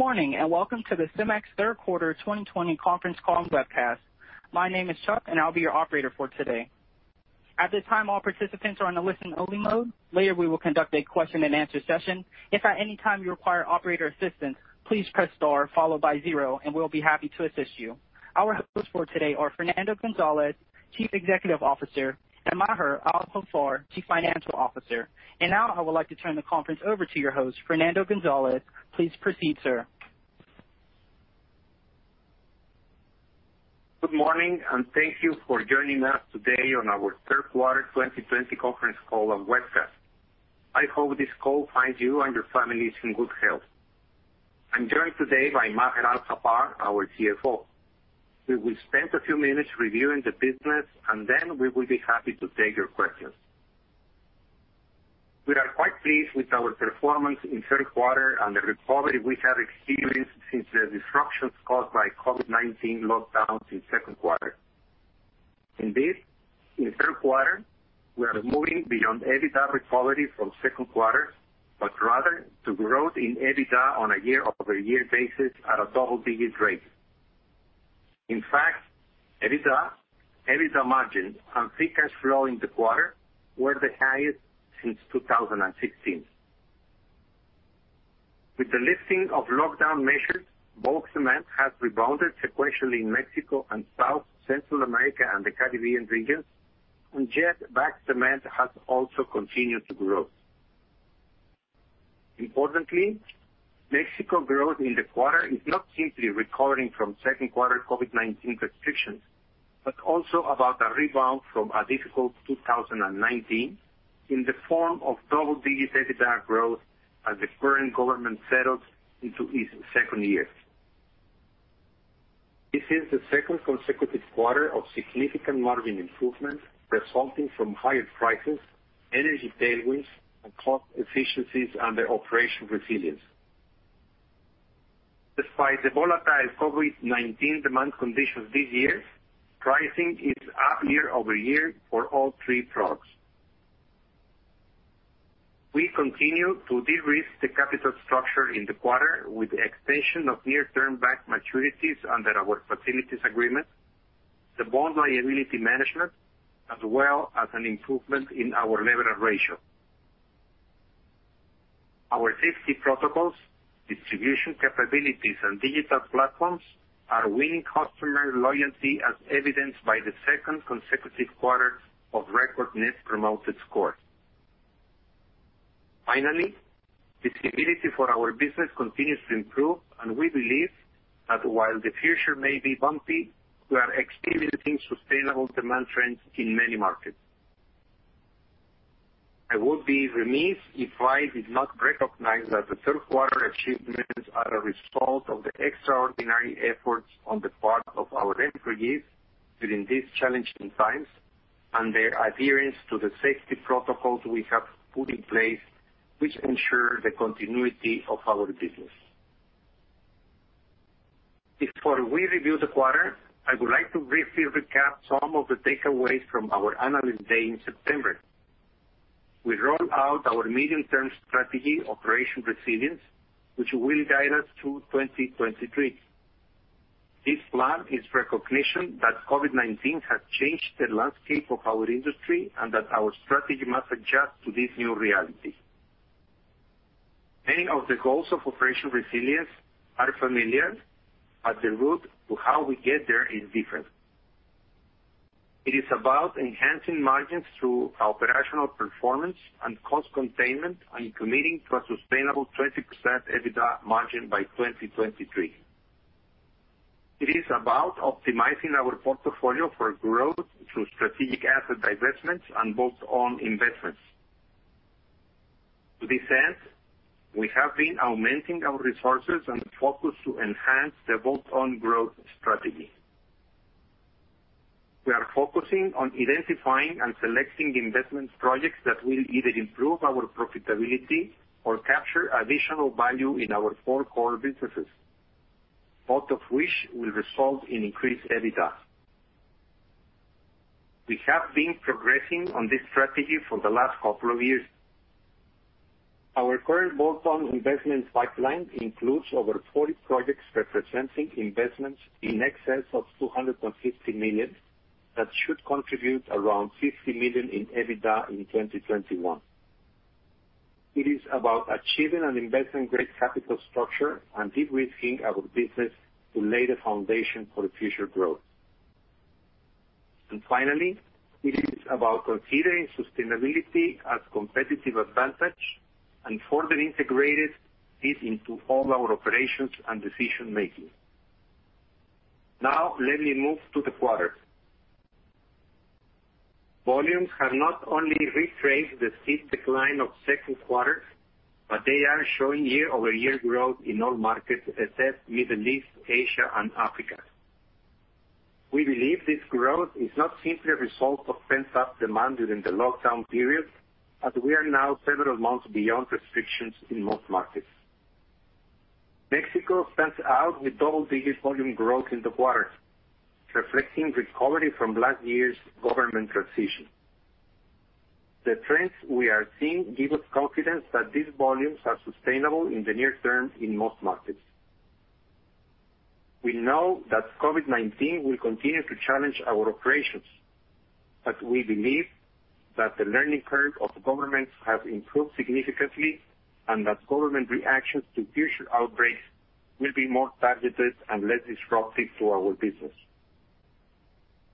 Morning, welcome to the CEMEX Third Quarter 2020 conference call and webcast. My name is Chuck, and I'll be your operator for today. At this time, all participants are on a listen-only mode. Later, we will conduct a question-and-answer session. If at any time you require operator assistance, please press star followed by zero, and we'll be happy to assist you. Our hosts for today are Fernando González, Chief Executive Officer, and Maher Al-Haffar, Chief Financial Officer. Now I would like to turn the conference over to your host, Fernando González. Please proceed, sir. Good morning. Thank you for joining us today on our third quarter 2020 conference call and webcast. I hope this call finds you and your families in good health. I'm joined today by Maher Al-Haffar, our CFO. We will spend a few minutes reviewing the business, then we will be happy to take your questions. We are quite pleased with our performance in the third quarter and the recovery we have experienced since the disruptions caused by COVID-19 lockdowns in the second quarter. Indeed, in the third quarter, we are moving beyond EBITDA recovery from the second quarter, rather to growth in EBITDA on a year-over-year basis at a double-digit rate. In fact, EBITDA margins, and free cash flow in the quarter were the highest since 2016. With the lifting of lockdown measures, bulk cement has rebounded sequentially in Mexico and South, Central America and the Caribbean regions, and yet bagged cement has also continued to grow. Mexico growth in the quarter is not simply recovering from second-quarter COVID-19 restrictions, but also about a rebound from a difficult 2019 in the form of double-digit EBITDA growth as the current government settles into its second year. This is the second consecutive quarter of significant margin improvement resulting from higher prices, energy tailwinds, and cost efficiencies under Operation Resilience. Despite the volatile COVID-19 demand conditions this year, pricing is up year-over-year for all three products. We continue to de-risk the capital structure in the quarter with the extension of near-term bank maturities under our facilities agreement, the bond liability management, as well as an improvement in our leverage ratio. Our safety protocols, distribution capabilities, and digital platforms are winning customer loyalty, as evidenced by the second consecutive quarter of record Net Promoter Score. Finally, visibility for our business continues to improve, and we believe that while the future may be bumpy, we are experiencing sustainable demand trends in many markets. I would be remiss if I did not recognize that the third quarter achievements are a result of the extraordinary efforts on the part of our employees during these challenging times and their adherence to the safety protocols we have put in place, which ensure the continuity of our business. Before we review the quarter, I would like to briefly recap some of the takeaways from our Analyst Day in September. We rolled out our medium-term strategy, Operation Resilience, which will guide us through 2023. This plan is recognition that COVID-19 has changed the landscape of our industry and that our strategy must adjust to this new reality. Many of the goals of Operation Resilience are familiar, but the route to how we get there is different. It is about enhancing margins through operational performance and cost containment and committing to a sustainable 20% EBITDA margin by 2023. It is about optimizing our portfolio for growth through strategic asset divestments and bolt-on investments. To this end, we have been augmenting our resources and focus to enhance the bolt-on growth strategy. We are focusing on identifying and selecting investment projects that will either improve our profitability or capture additional value in our four core businesses, both of which will result in increased EBITDA. We have been progressing on this strategy for the last couple of years. Our current bolt-on investment pipeline includes over 40 projects representing investments in excess of $250 million that should contribute around $50 million in EBITDA in 2021. It is about achieving an investment-grade capital structure and de-risking our business to lay the foundation for future growth. Finally, it is about considering sustainability as a competitive advantage and further integrating it into all our operations and decision-making. Let me move to the quarter. Volumes have not only retraced the steep decline of the second quarter, but they are showing year-over-year growth in all markets except Middle East, Asia, and Africa. We believe this growth is not simply a result of pent-up demand during the lockdown period, as we are now several months beyond restrictions in most markets. Mexico stands out with double-digit volume growth in the quarter, reflecting recovery from last year's government transition. The trends we are seeing give us confidence that these volumes are sustainable in the near term in most markets. We know that COVID-19 will continue to challenge our operations, but we believe that the learning curve of governments has improved significantly, and that government reactions to future outbreaks will be more targeted and less disruptive to our business.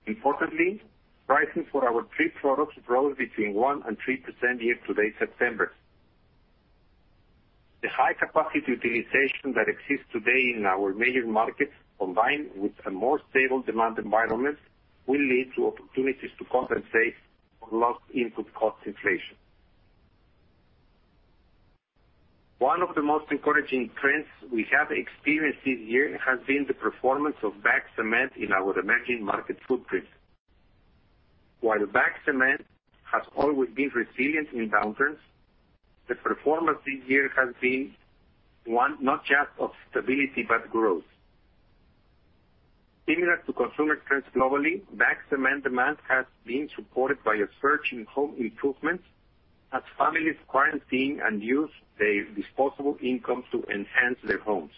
Importantly, pricing for our three products rose between 1% and 3% year-to-date September. The high capacity utilization that exists today in our major markets, combined with a more stable demand environment, will lead to opportunities to compensate for lost input cost inflation. One of the most encouraging trends we have experienced this year has been the performance of bagged cement in our emerging market footprint. While bagged cement has always been resilient in downturns, the performance this year has been one not just of stability, but growth. Similar to consumer trends globally, bagged cement demand has been supported by a surge in home improvements as families quarantine and use their disposable income to enhance their homes.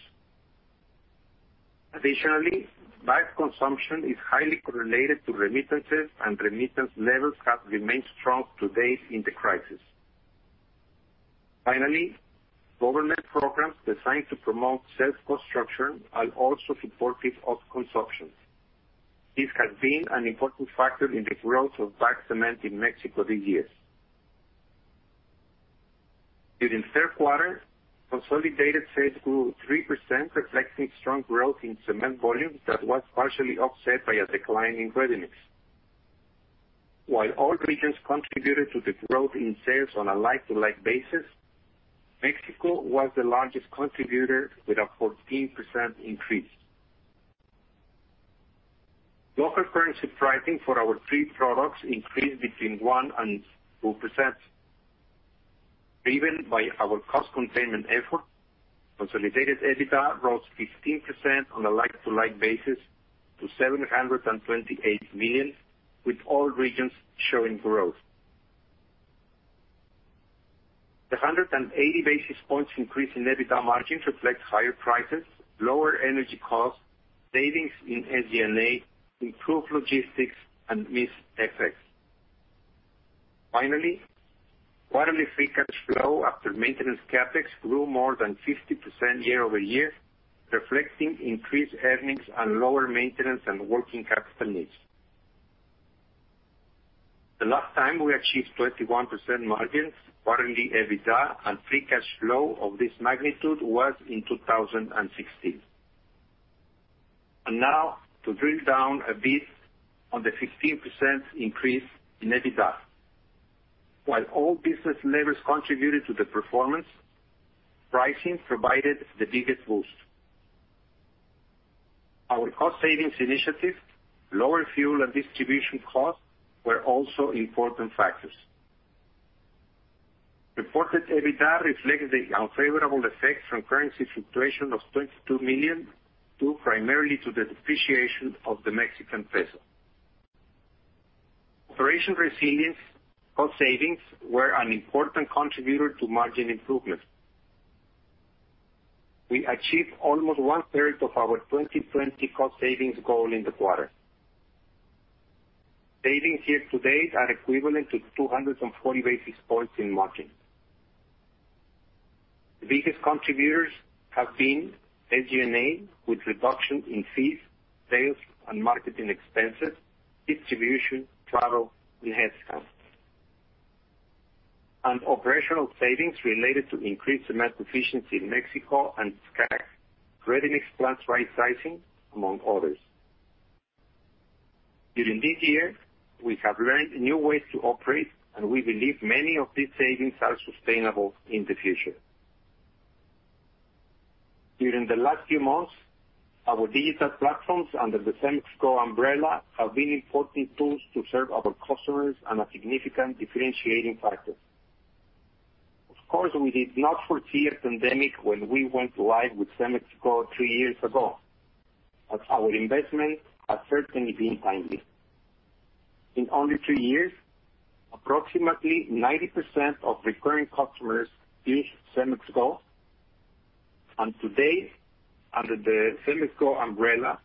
Additionally, bagged consumption is highly correlated to remittances, and remittance levels have remained strong to date in the crisis. Finally, government programs designed to promote self-construction are also supportive of consumption. This has been an important factor in the growth of bagged cement in Mexico these years. During the third quarter, consolidated sales grew 3%, reflecting strong growth in cement volumes that was partially offset by a decline in ready-mix. While all regions contributed to the growth in sales on a like-to-like basis, Mexico was the largest contributor with a 14% increase. Local currency pricing for our three products increased between 1% and 2%. Driven by our cost containment effort, consolidated EBITDA rose 15% on a like-to-like basis to $728 million, with all regions showing growth. The 180 basis points increase in EBITDA margins reflects higher prices, lower energy costs, savings in SG&A, improved logistics, and mix effects. Finally, quarterly free cash flow after maintenance CapEx grew more than 50% year-over-year, reflecting increased earnings and lower maintenance and working capital needs. The last time we achieved 21% margins, quarterly EBITDA, and free cash flow of this magnitude was in 2016. Now to drill down a bit on the 15% increase in EBITDA. While all business levers contributed to the performance, pricing provided the biggest boost. Our cost savings initiatives, lower fuel, and distribution costs were also important factors. Reported EBITDA reflects the unfavorable effects from currency fluctuation of $22 million, due primarily to the depreciation of the Mexican peso. Operation Resilience cost savings were an important contributor to margin improvement. We achieved almost one-third of our 2020 cost savings goal in the quarter. Savings year to date are equivalent to 240 basis points in margins. The biggest contributors have been SG&A, with reduction in fees, sales, and marketing expenses, distribution, travel, and headcount, and operational savings related to increased cement efficiency in Mexico and SCAC, ready-mix plant pricing, among others. During this year, we have learned new ways to operate, and we believe many of these savings are sustainable in the future. During the last few months, our digital platforms under the CEMEX Go umbrella have been important tools to serve our customers and a significant differentiating factor. Of course, we did not foresee a pandemic when we went live with CEMEX Go three years ago, but our investment has certainly been timely. In only three years, approximately 90% of recurring customers use CEMEX Go, and today, under the CEMEX Go umbrella,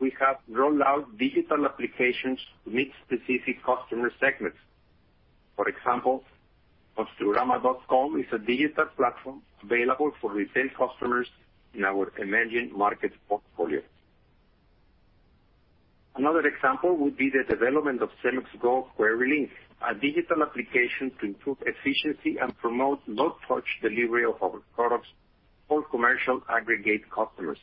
we have rolled out digital applications to meet specific customer segments. For example, Construrama.com is a digital platform available for retail customers in our emerging markets portfolio. Another example would be the development of CEMEX Go Quarry Link, a digital application to improve efficiency and promote no-touch delivery of our products for commercial aggregate customers.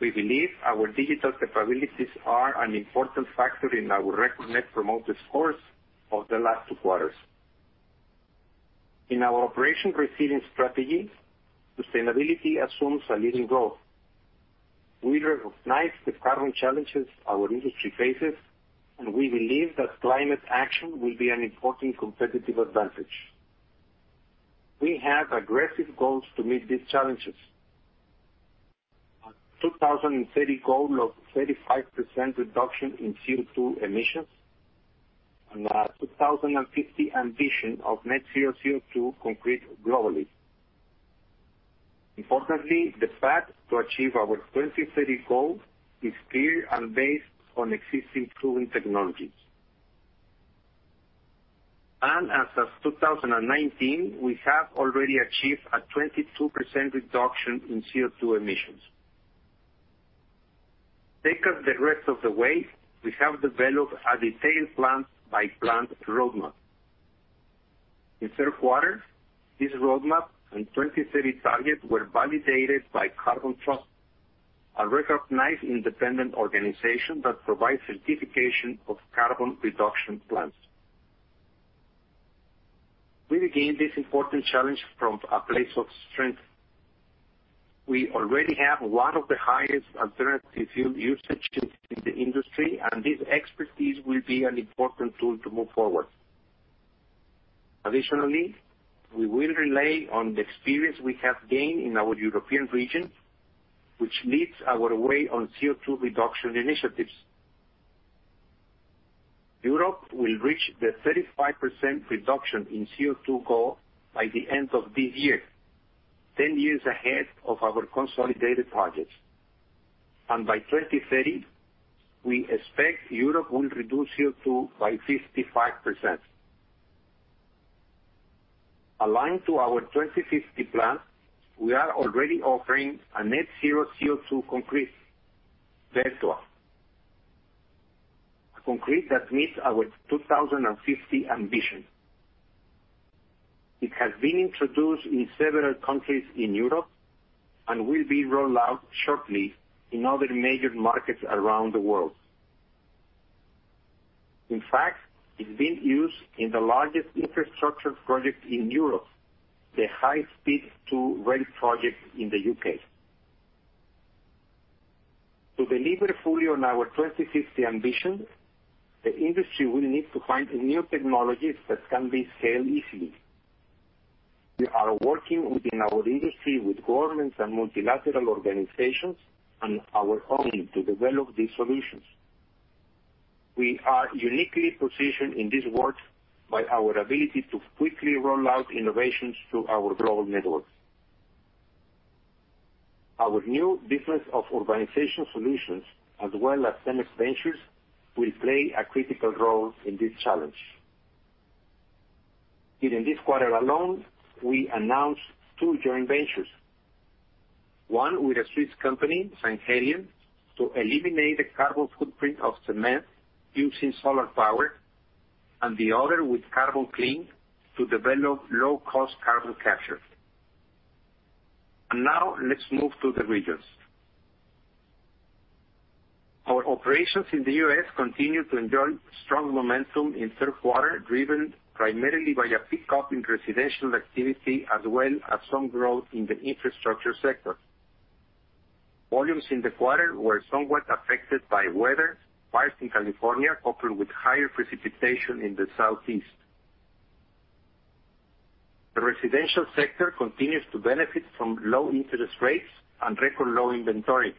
We believe our digital capabilities are an important factor in our record Net Promoter Scores of the last two quarters. In our Operation Resilience strategy, sustainability assumes a leading role. We recognize the current challenges our industry faces, and we believe that climate action will be an important competitive advantage. We have aggressive goals to meet these challenges. 2030 goal of 35% reduction in CO2 emissions, and a 2050 ambition of net-zero CO2 concrete globally. Importantly, the path to achieve our 2030 goal is clear and based on existing proven technologies. As of 2019, we have already achieved a 22% reduction in CO2 emissions. To take us the rest of the way, we have developed a detailed plant-by-plant roadmap. In the third quarter, this roadmap and 2030 targets were validated by Carbon Trust, a recognized independent organization that provides certification of carbon reduction plans. We begin this important challenge from a place of strength. We already have one of the highest alternative fuel usages in the industry, and this expertise will be an important tool to move forward. Additionally, we will rely on the experience we have gained in our European region, which leads our way on CO2 reduction initiatives. Europe will reach the 35% reduction in CO2 goal by the end of this year, 10 years ahead of our consolidated targets. By 2030, we expect Europe will reduce CO2 by 55%. Aligned to our 2050 plan, we are already offering a net-zero CO2 concrete, Vertua. A concrete that meets our 2050 ambition. It has been introduced in several countries in Europe and will be rolled out shortly in other major markets around the world. In fact, it's being used in the largest infrastructure project in Europe, the High Speed 2 rail project in the U.K. To deliver fully on our 2050 ambition, the industry will need to find new technologies that can be scaled easily. We are working within our industry with governments and multilateral organizations, and our own to develop these solutions. We are uniquely positioned in this work by our ability to quickly roll out innovations through our global networks. Our new business of Urbanization Solutions, as well as CEMEX Ventures, will play a critical role in this challenge. During this quarter alone, we announced two joint ventures, one with a Swiss company, Synhelion, to eliminate the carbon footprint of cement using solar power, the other with Carbon Clean to develop low-cost carbon capture. Now let's move to the regions. Our operations in the U.S. continue to enjoy strong momentum in the third quarter, driven primarily by a pickup in residential activity, as well as some growth in the infrastructure sector. Volumes in the quarter were somewhat affected by weather, fires in California, coupled with higher precipitation in the Southeast. The residential sector continues to benefit from low-interest rates and record low inventory,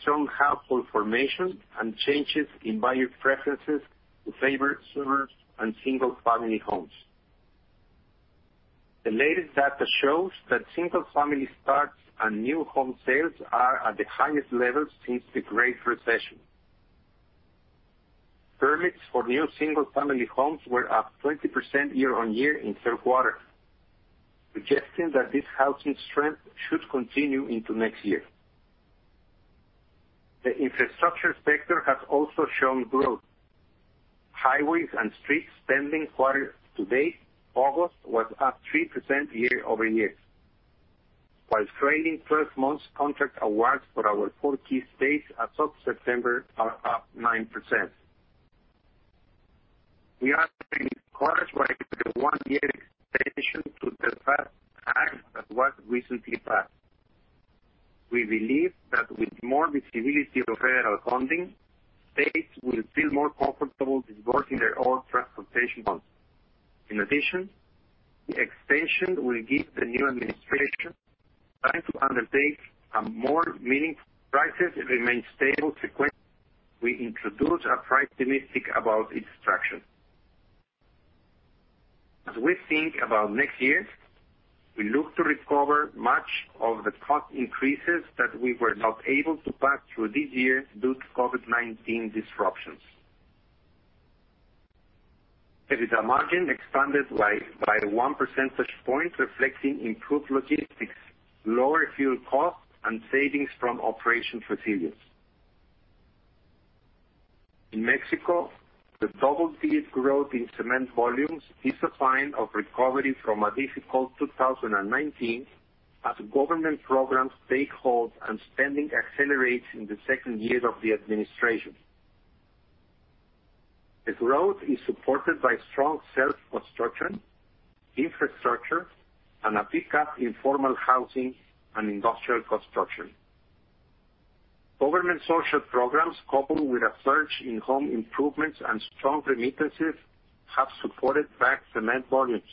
strong household formation, and changes in buyer preferences to favor suburbs and single-family homes. The latest data shows that single-family starts and new home sales are at the highest levels since the Great Recession. Permits for new single-family homes were up 20% year-on-year in the third quarter, suggesting that this housing strength should continue into next year. The infrastructure sector has also shown growth. Highways and streets spending quarter to date, August, was up 3% year-over-year, while trailing 12 months contract awards for our four key states as of September are up 9%. We are encouraged by the one-year extension to the FAST Act that was recently passed. We believe that with more visibility of federal funding, states will feel more comfortable disbursing their own transportation bonds. In addition, the extension will give the new administration time to undertake a more meaningful federal transportation program. Prices remain stable sequentially for our three products. We are optimistic about its traction. As we think about next year, we look to recover much of the cost increases that we were not able to pass through this year due to COVID-19 disruptions. It is a margin expanded by 1 percentage point, reflecting improved logistics, lower fuel costs, and savings from Operation Resilience. In Mexico, the double-digit growth in cement volumes is a sign of recovery from a difficult 2019 as government programs take hold and spending accelerates in the second year of the administration. The growth is supported by strong self-construction, infrastructure, and a pickup in formal housing and industrial construction. Government social programs, coupled with a surge in home improvements and strong remittances, have supported vast cement volumes.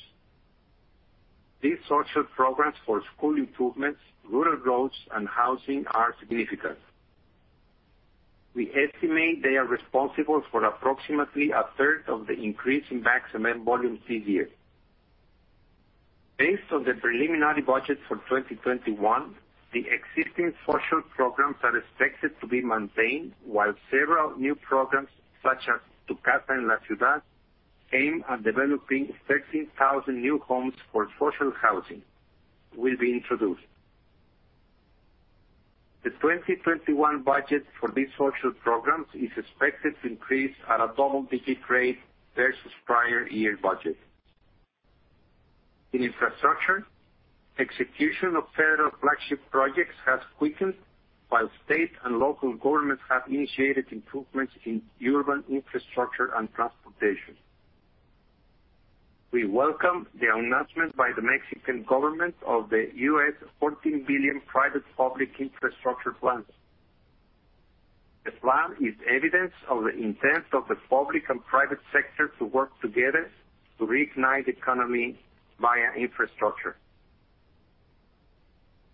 These social programs for school improvements, rural roads, and housing are significant. We estimate they are responsible for approximately a third of the increase in bagged cement volume this year. Based on the preliminary budget for 2021, the existing social programs are expected to be maintained while several new programs, such as Tu Casa en La Ciudad, aim at developing 13,000 new homes for social housing, will be introduced. The 2021 budget for these social programs is expected to increase at a double-digit rate versus prior year budget. In infrastructure, execution of federal flagship projects has quickened while state and local governments have initiated improvements in urban infrastructure and transportation. We welcome the announcement by the Mexican government of the $14 billion private-public infrastructure plans. The plan is evidence of the intent of the public and private sector to work together to reignite the economy via infrastructure.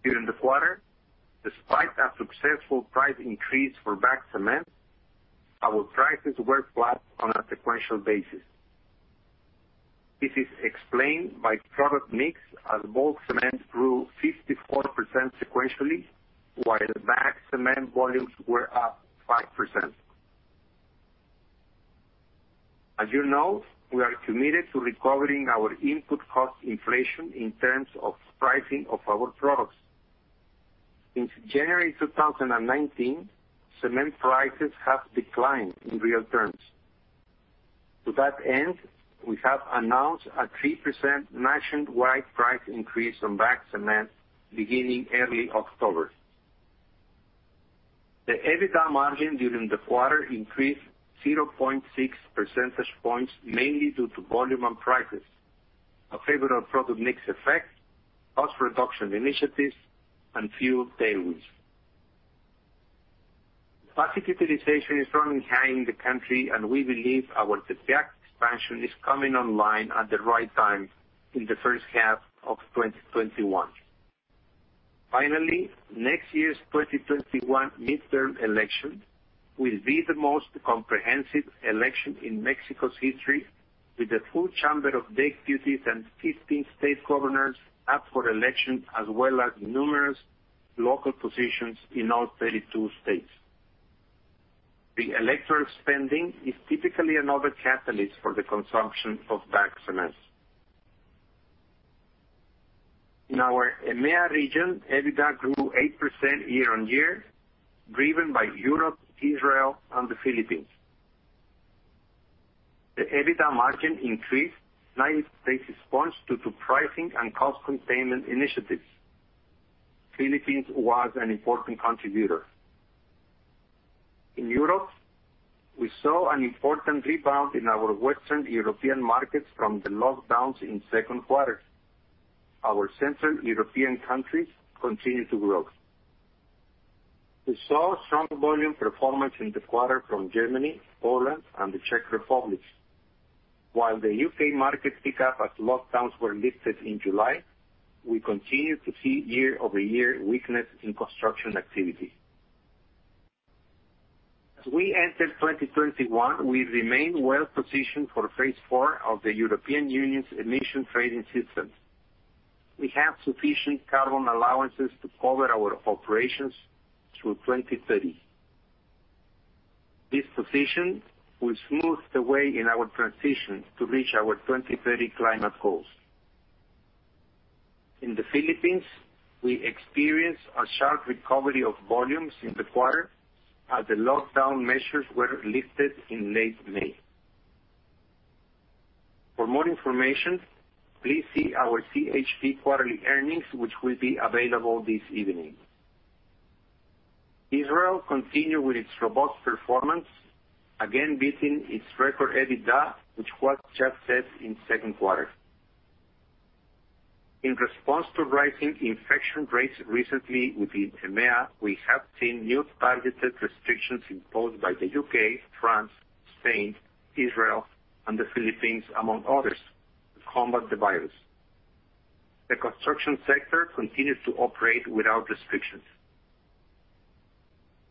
During the quarter, despite a successful price increase for bagged cement, our prices were flat on a sequential basis. This is explained by product mix as bulk cement grew 54% sequentially, while bagged cement volumes were up 5%. As you know, we are committed to recovering our input cost inflation in terms of pricing of our products. Since January 2019, cement prices have declined in real terms. To that end, we have announced a 3% nationwide price increase on bagged cement beginning early October. The EBITDA margin during the quarter increased 0.6 percentage points, mainly due to volume and prices, a favorable product mix effect, cost reduction initiatives, and fuel tailwinds. Capacity utilization is running high in the country, and we believe our Tepeaca expansion is coming online at the right time in the first half of 2021. Finally, next year's 2021 midterm election will be the most comprehensive election in Mexico's history, with a full chamber of deputies and 15 state governors up for election, as well as numerous local positions in all 32 states. The electoral spending is typically another catalyst for the consumption of bagged cement. In our EMEA region, EBITDA grew 8% year-over-year, driven by Europe, Israel, and the Philippines. The EBITDA margin increased 90 basis points due to pricing and cost containment initiatives. Philippines was an important contributor. In Europe, we saw an important rebound in our Western European markets from the lockdowns in second quarter. Our Central European countries continue to grow. We saw strong volume performance in the quarter from Germany, Poland, and the Czech Republic. The U.K. market picked up as lockdowns were lifted in July, we continue to see year-over-year weakness in construction activity. We enter 2021, we remain well-positioned for phase 4 of the European Union's Emissions Trading System. We have sufficient carbon allowances to cover our operations through 2030. This position will smooth the way in our transition to reach our 2030 climate goals. In the Philippines, we experienced a sharp recovery of volumes in the quarter as the lockdown measures were lifted in late May. For more information, please see our CHP quarterly earnings, which will be available this evening. Israel continued with its robust performance, again beating its record EBITDA, which was just set in second quarter. In response to rising infection rates recently within EMEA, we have seen new targeted restrictions imposed by the U.K., France, Spain, Israel, and the Philippines, among others, to combat the virus. The construction sector continues to operate without restrictions.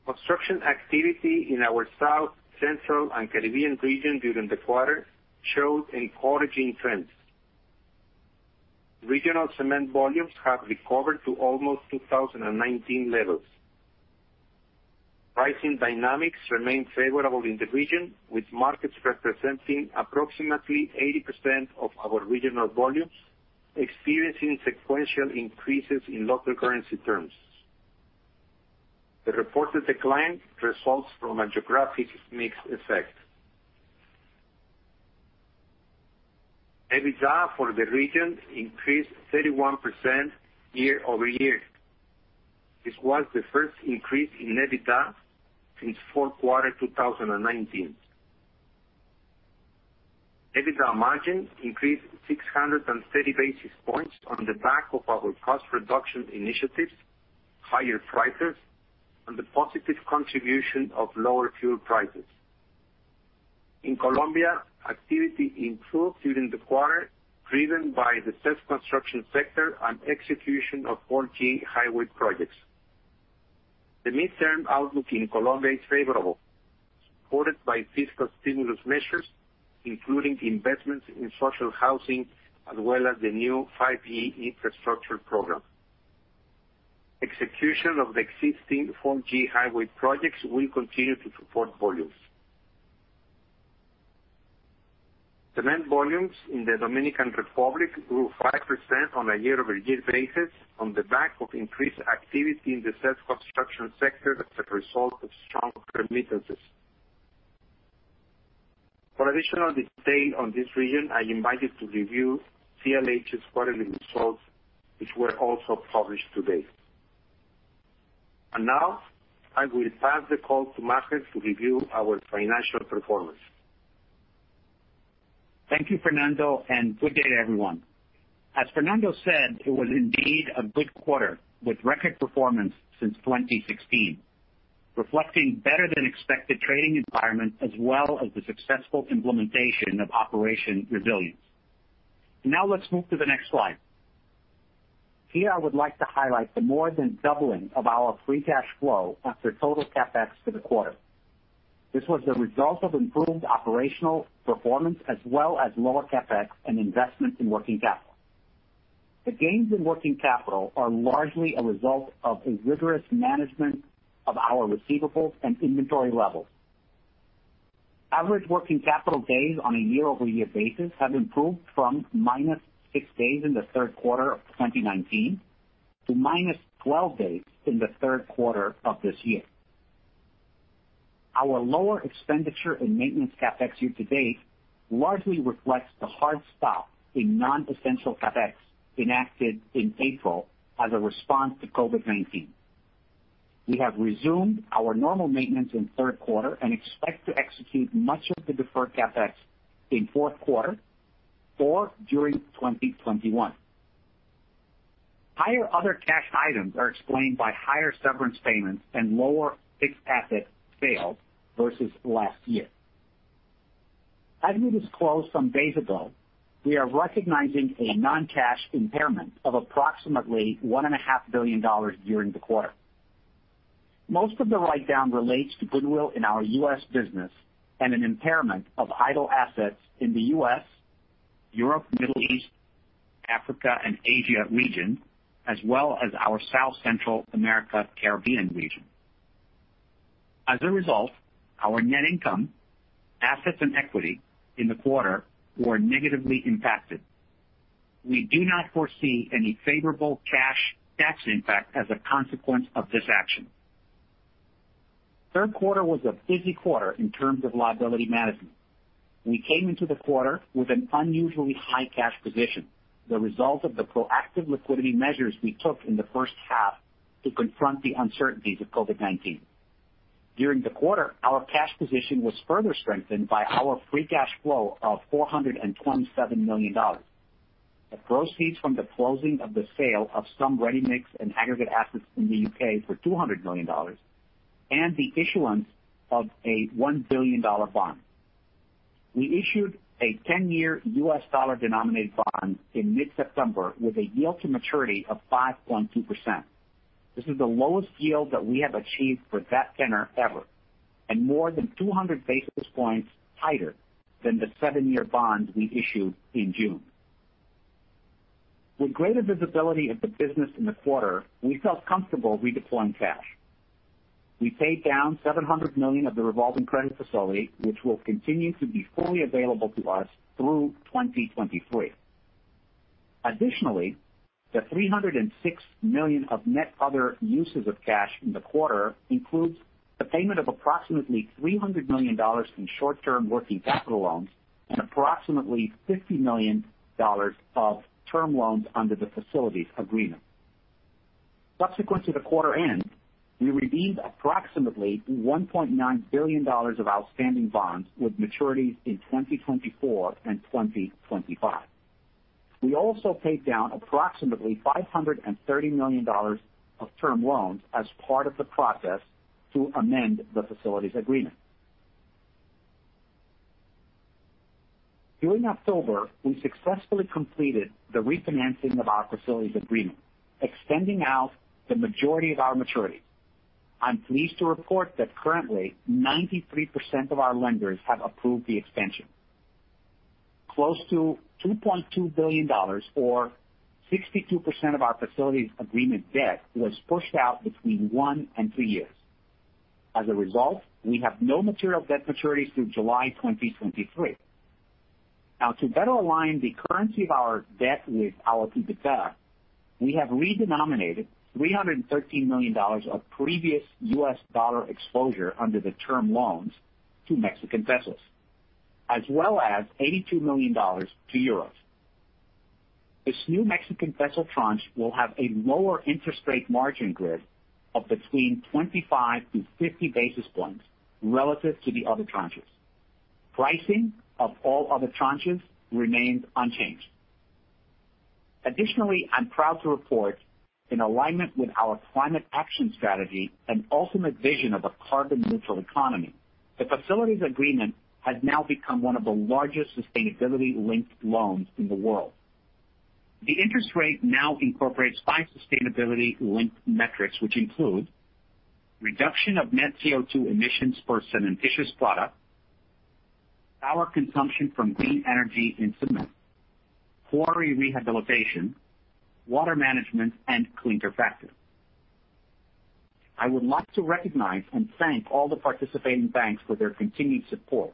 Construction activity in our South, Central America and the Caribbean region during the quarter showed encouraging trends. Regional cement volumes have recovered to almost 2019 levels. Pricing dynamics remain favorable in the region, with markets representing approximately 80% of our regional volumes, experiencing sequential increases in local currency terms. The reported decline results from a geographic mix effect. EBITDA for the region increased 31% year-over-year. This was the first increase in EBITDA since fourth quarter 2019. EBITDA margin increased 630 basis points on the back of our cost reduction initiatives, higher prices, and the positive contribution of lower fuel prices. In Colombia, activity improved during the quarter, driven by the self-construction sector and execution of 4G highway projects. The midterm outlook in Colombia is favorable, supported by fiscal stimulus measures, including investments in social housing as well as the new 5G infrastructure program. Execution of the existing 4G highway projects will continue to support volumes. Cement volumes in the Dominican Republic grew 5% on a year-over-year basis on the back of increased activity in the self-construction sector as a result of strong remittances. For additional detail on this region, I invite you to review CLH's quarterly results, which were also published today. Now I will pass the call to Maher to review our financial performance. Thank you, Fernando, and good day, everyone. As Fernando said, it was indeed a good quarter with record performance since 2016, reflecting better-than-expected trading environment, as well as the successful implementation of Operation Resilience. Let's move to the next slide. Here I would like to highlight the more than doubling of our free cash flow after total CapEx for the quarter. This was the result of improved operational performance as well as lower CapEx and investments in working capital. The gains in working capital are largely a result of a rigorous management of our receivables and inventory levels. Average working capital days on a year-over-year basis have improved from -6 days in the third quarter of 2019 to -12 days in the third quarter of this year. Our lower expenditure in maintenance CapEx year to date largely reflects the hard stop in non-essential CapEx enacted in April as a response to COVID-19. We have resumed our normal maintenance in the third quarter and expect to execute much of the deferred CapEx in the fourth quarter or during 2021. Higher other cash items are explained by higher severance payments and lower fixed asset sales versus last year. As we disclosed some days ago, we are recognizing a non-cash impairment of approximately $1.5 billion during the quarter. Most of the write-down relates to goodwill in our U.S. business and an impairment of idle assets in the U.S., Europe, Middle East, Africa, and Asia region, as well as our South Central America Caribbean region. As a result, our net income, assets, and equity in the quarter were negatively impacted. We do not foresee any favorable cash tax impact as a consequence of this action. Third quarter was a busy quarter in terms of liability management. We came into the quarter with an unusually high cash position, the result of the proactive liquidity measures we took in the first half to confront the uncertainties of COVID-19. During the quarter, our cash position was further strengthened by our free cash flow of $427 million. The proceeds from the closing of the sale of some ready-mix and aggregates assets in the U.K. for $200 million and the issuance of a $1 billion bond. We issued a 10-year U.S. dollar-denominated bond in mid-September with a yield to maturity of 5.2%. This is the lowest yield that we have achieved for that tenor ever, and more than 200 basis points tighter than the seven-year bond we issued in June. With greater visibility of the business in the quarter, we felt comfortable redeploying cash. We paid down $700 million of the revolving credit facility, which will continue to be fully available to us through 2023. Additionally, the $306 million of net other uses of cash in the quarter includes the payment of approximately $300 million in short-term working capital loans and approximately $50 million of term loans under the facilities agreement. Subsequent to the quarter end, we redeemed approximately $1.9 billion of outstanding bonds with maturities in 2024 and 2025. We also paid down approximately $530 million of term loans as part of the process to amend the facilities agreement. During October, we successfully completed the refinancing of our facilities agreement, extending out the majority of our maturities. I'm pleased to report that currently 93% of our lenders have approved the extension. Close to $2.2 billion, or 62% of our facilities agreement debt, was pushed out between one and three years. As a result, we have no material debt maturities through July 2023. To better align the currency of our debt with our EBITDA, we have redenominated $313 million of previous U.S. dollar exposure under the term loans to Mexican pesos, as well as EUR 82 million to euros. This new Mexican peso tranche will have a lower interest rate margin grid of between 25 to 50 basis points relative to the other tranches. Pricing of all other tranches remains unchanged. Additionally, I'm proud to report, in alignment with our climate action strategy and ultimate vision of a carbon-neutral economy, the facilities agreement has now become one of the largest sustainability-linked loans in the world. The interest rate now incorporates five sustainability-linked metrics, which include reduction of net CO2 emissions per cementitious product, power consumption from green energy in cement, quarry rehabilitation, water management, and clean electricity. I would like to recognize and thank all the participating banks for their continued support.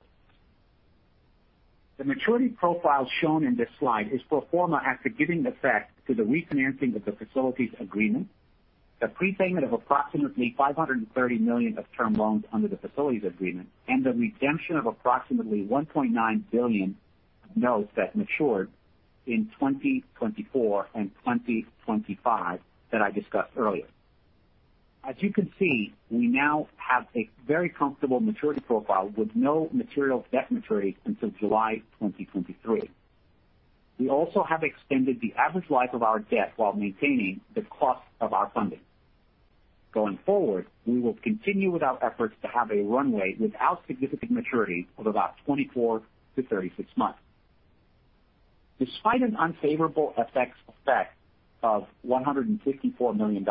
The maturity profile shown in this slide is pro forma after giving effect to the refinancing of the facilities agreement, the prepayment of approximately $530 million of term loans under the facilities agreement, and the redemption of approximately $1.9 billion of notes that matured in 2024 and 2025 that I discussed earlier. As you can see, we now have a very comfortable maturity profile with no material debt maturity until July 2023. We also have extended the average life of our debt while maintaining the cost of our funding. Going forward, we will continue with our efforts to have a runway without significant maturity of about 24-36 months. Despite an unfavorable FX effect of $154 million,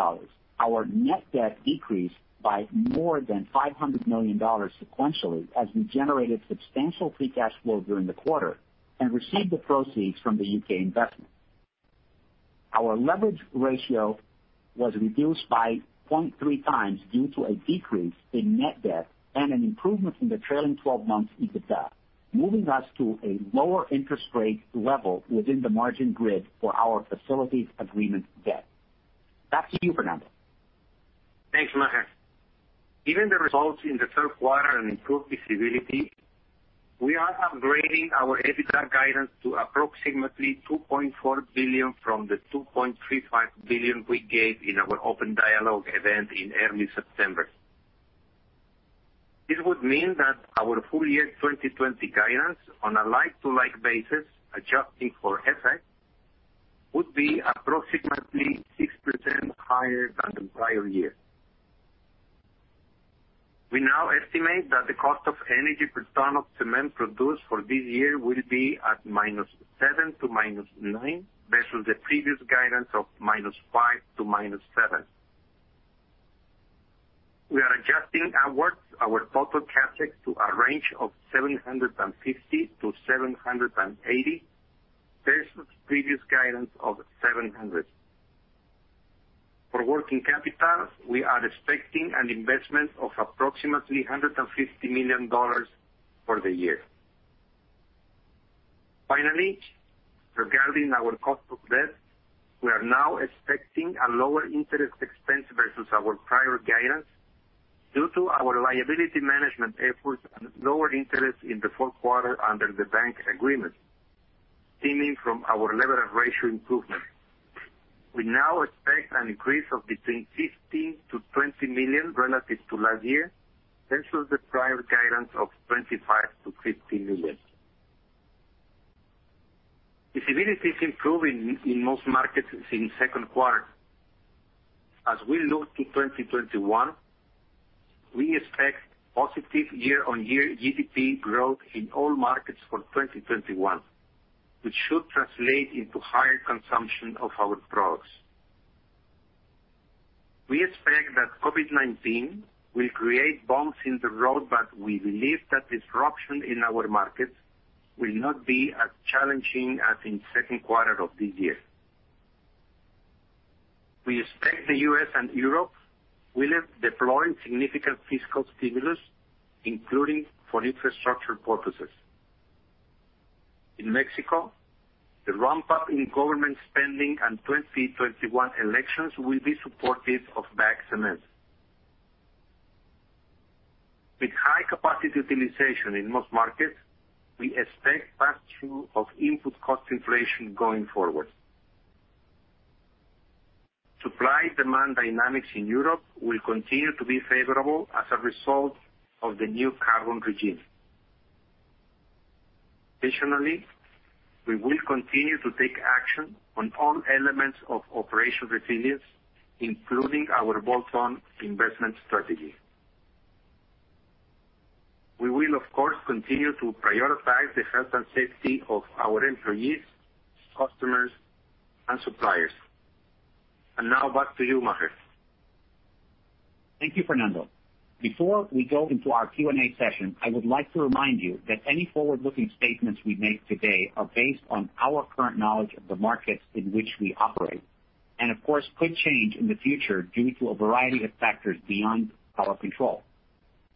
our net debt decreased by more than $500 million sequentially as we generated substantial free cash flow during the quarter and received the proceeds from the U.K. investment. Our leverage ratio was reduced by 0.3x due to a decrease in net debt and an improvement in the trailing 12 months EBITDA, moving us to a lower interest rate level within the margin grid for our facilities agreement debt. Back to you, Fernando. Thanks, Maher. Given the results in the third quarter and improved visibility, we are upgrading our EBITDA guidance to approximately $2.4 billion from the $2.35 billion we gave in our open dialogue event in early September. This would mean that our full year 2020 guidance on a like-to-like basis, adjusting for FX, would be approximately 6% higher than the prior year. We now estimate that the cost of energy per ton of cement produced for this year will be at -7% to -9% versus the previous guidance of -5% to -7%. We are adjusting our total CapEx to a range of $750 million-$780 million versus previous guidance of $700 million. For working capital, we are expecting an investment of approximately $150 million for the year. Finally, regarding our cost of debt, we are now expecting a lower interest expense versus our prior guidance due to our liability management efforts and lower interest in the fourth quarter under the bank agreement stemming from our leverage ratio improvement. We now expect an increase of between $15 million-$20 million relative to last year versus the prior guidance of $25 million-$50 million. Visibility is improving in most markets in second quarter. As we look to 2021, we expect positive year-on-year GDP growth in all markets for 2021, which should translate into higher consumption of our products. We expect that COVID-19 will create bumps in the road, but we believe that disruption in our markets will not be as challenging as in second quarter of this year. We expect the U.S. and Europe will deploy significant fiscal stimulus, including for infrastructure purposes. In Mexico, the ramp-up in government spending and 2021 elections will be supportive of bagged cement. With high capacity utilization in most markets, we expect pass-through of input cost inflation going forward. Supply-demand dynamics in Europe will continue to be favorable as a result of the new carbon regime. Additionally, we will continue to take action on all elements of Operation Resilience, including our bolt-on investment strategy. We will, of course, continue to prioritize the health and safety of our employees, customers, and suppliers. Now back to you, Maher. Thank you, Fernando. Before we go into our Q&A session, I would like to remind you that any forward-looking statements we make today are based on our current knowledge of the markets in which we operate, and of course could change in the future due to a variety of factors beyond our control.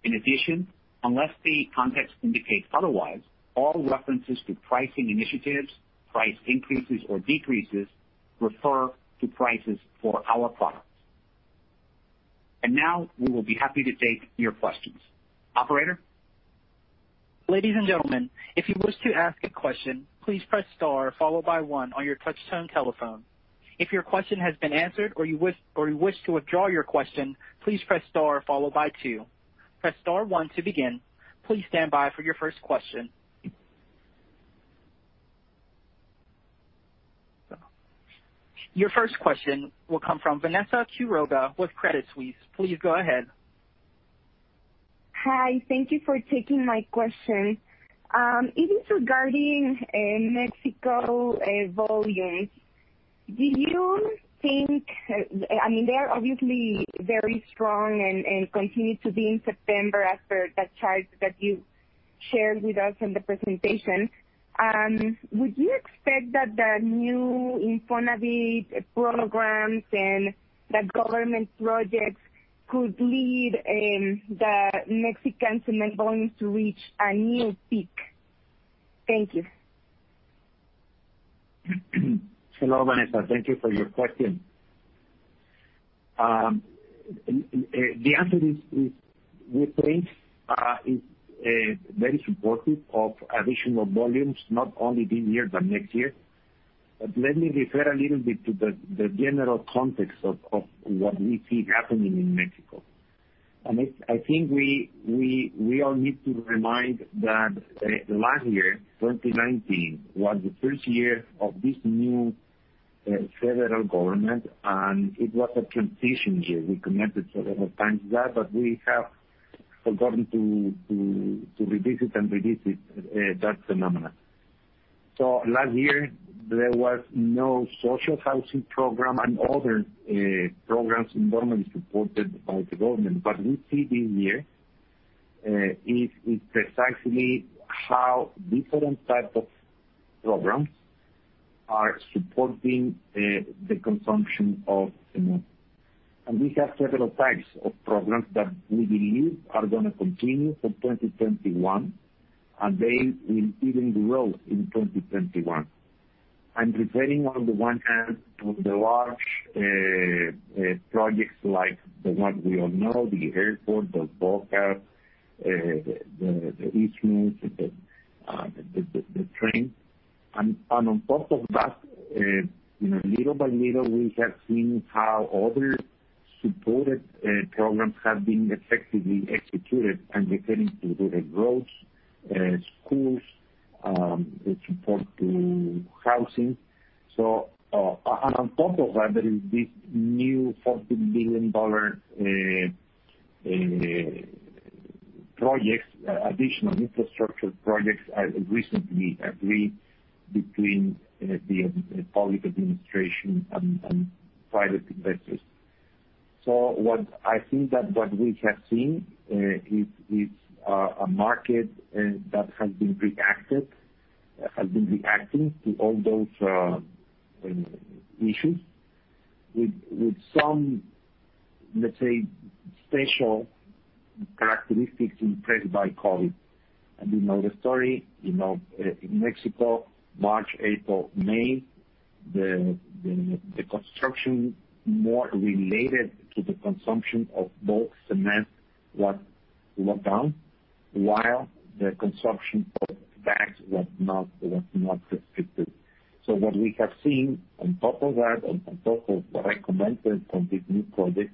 In addition, unless the context indicates otherwise, all references to pricing initiatives, price increases or decreases, refer to prices for our products. Now we will be happy to take your questions. Operator? Ladies and gentlemen, if you wish to ask a question, please press star followed by one on your touchtone telephone. If your question has been answered or you wish to withdraw your question, please press star followed by two. That is star one to begin. Please stand by for your first question. Your first question will come from Vanessa Quiroga with Credit Suisse. Please go ahead. Hi. Thank you for taking my question. It is regarding Mexico volumes. They are obviously very strong and continue to be in September as per that chart that you shared with us in the presentation. Would you expect that the new Infonavit programs and the government projects could lead the Mexican cement volumes to reach a new peak? Thank you. Hello, Vanessa. Thank you for your question. The answer is, we think, is very supportive of additional volumes, not only this year but next year. Let me refer a little bit to the general context of what we see happening in Mexico. I think we all need to remind that last year, 2019, was the first year of this new federal government, and it was a transition year. We commented several times that, but we have forgotten to revisit that phenomenon. Last year, there was no social housing program and other programs enormously supported by the government. We see this year is precisely how different types of programs are supporting the consumption of cement. We have several types of programs that we believe are going to continue for 2021, and they will even grow in 2021. I'm referring, on the one hand, to the large projects like the ones we all know, the airport, Dos Bocas, the Isthmus, the train. On top of that, little by little, we have seen how other supported programs have been effectively executed. I'm referring to the roads, schools, the support to housing. On top of that, there is this new $14 billion projects, additional infrastructure projects, recently agreed between the public administration and private investors. What I think that what we have seen is a market that has been reacting to all those issues with some, let's say, special characteristics impressed by COVID. You know the story. You know, in Mexico, March, April, May, the construction more related to the consumption of bulk cement was locked down while the consumption of bags was not restricted. What we have seen on top of that, on top of what I commented on this new COVID,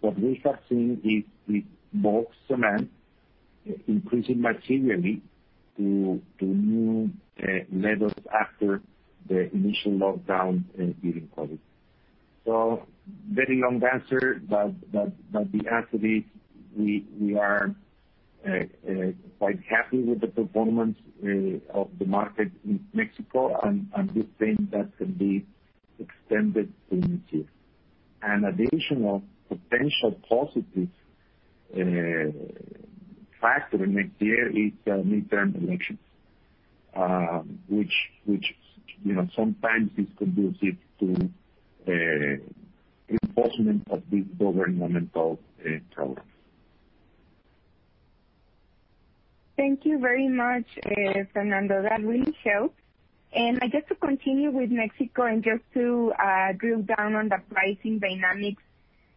what we have seen is bulk cement increasing materially to new levels after the initial lockdown during COVID. Very long answer, the answer is we are quite happy with the performance of the market in Mexico, we think that can be extended this year. An additional potential positive factor next year is midterm elections, which sometimes is conducive to enforcement of these government programs. Thank you very much Fernando. That really helps. I guess to continue with Mexico and just to drill down on the pricing dynamics,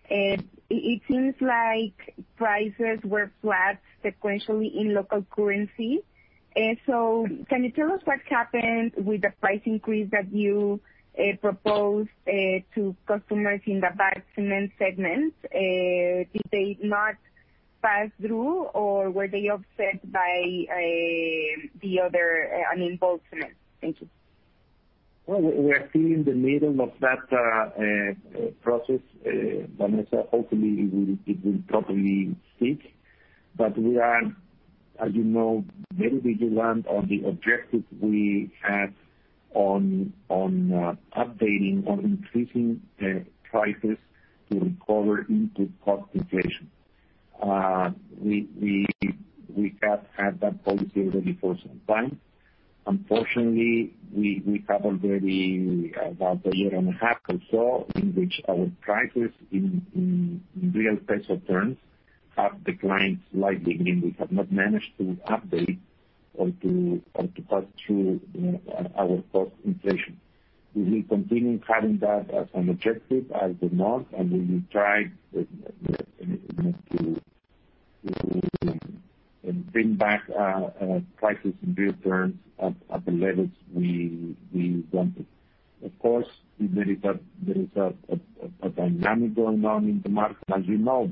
it seems like prices were flat sequentially in local currency. Can you tell us what happened with the price increase that you proposed to customers in the bagged cement segment? Did they not pass through, or were they offset by the other, I mean, bulk cement? Thank you. Well, we are still in the middle of that process, Vanessa. Hopefully, it will properly stick. We are, as you know, very vigilant on the objectives we have on updating, on increasing prices to recover input cost inflation. We have had that policy already for some time. Unfortunately, we have already about a year and a half or so in which our prices in real Mexican peso terms have declined slightly, meaning we have not managed to update or to pass through our cost inflation. We will continue having that as an objective, as the norm, and we will try to bring back prices in real terms at the levels we wanted. Of course, there is a dynamic going on in the market. As you know,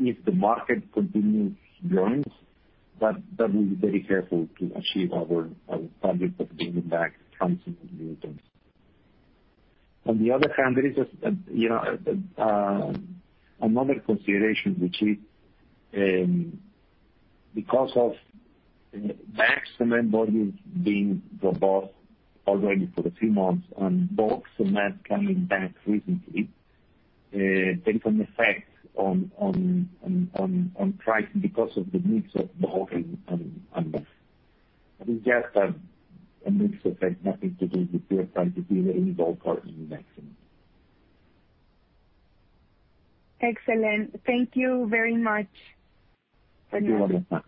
if the market continues growing, we'll be very careful to achieve our target of bringing back pricing in real terms. On the other hand, there is another consideration, which is because of bagged cement volumes being robust already for a few months, and bulk cement coming back recently, there is an effect on pricing because of the mix of bulk and bagged. I think just a mix effect, nothing to do with pure ton to any bulk or any bagged cement. Excellent. Thank you very much for your response. You're welcome.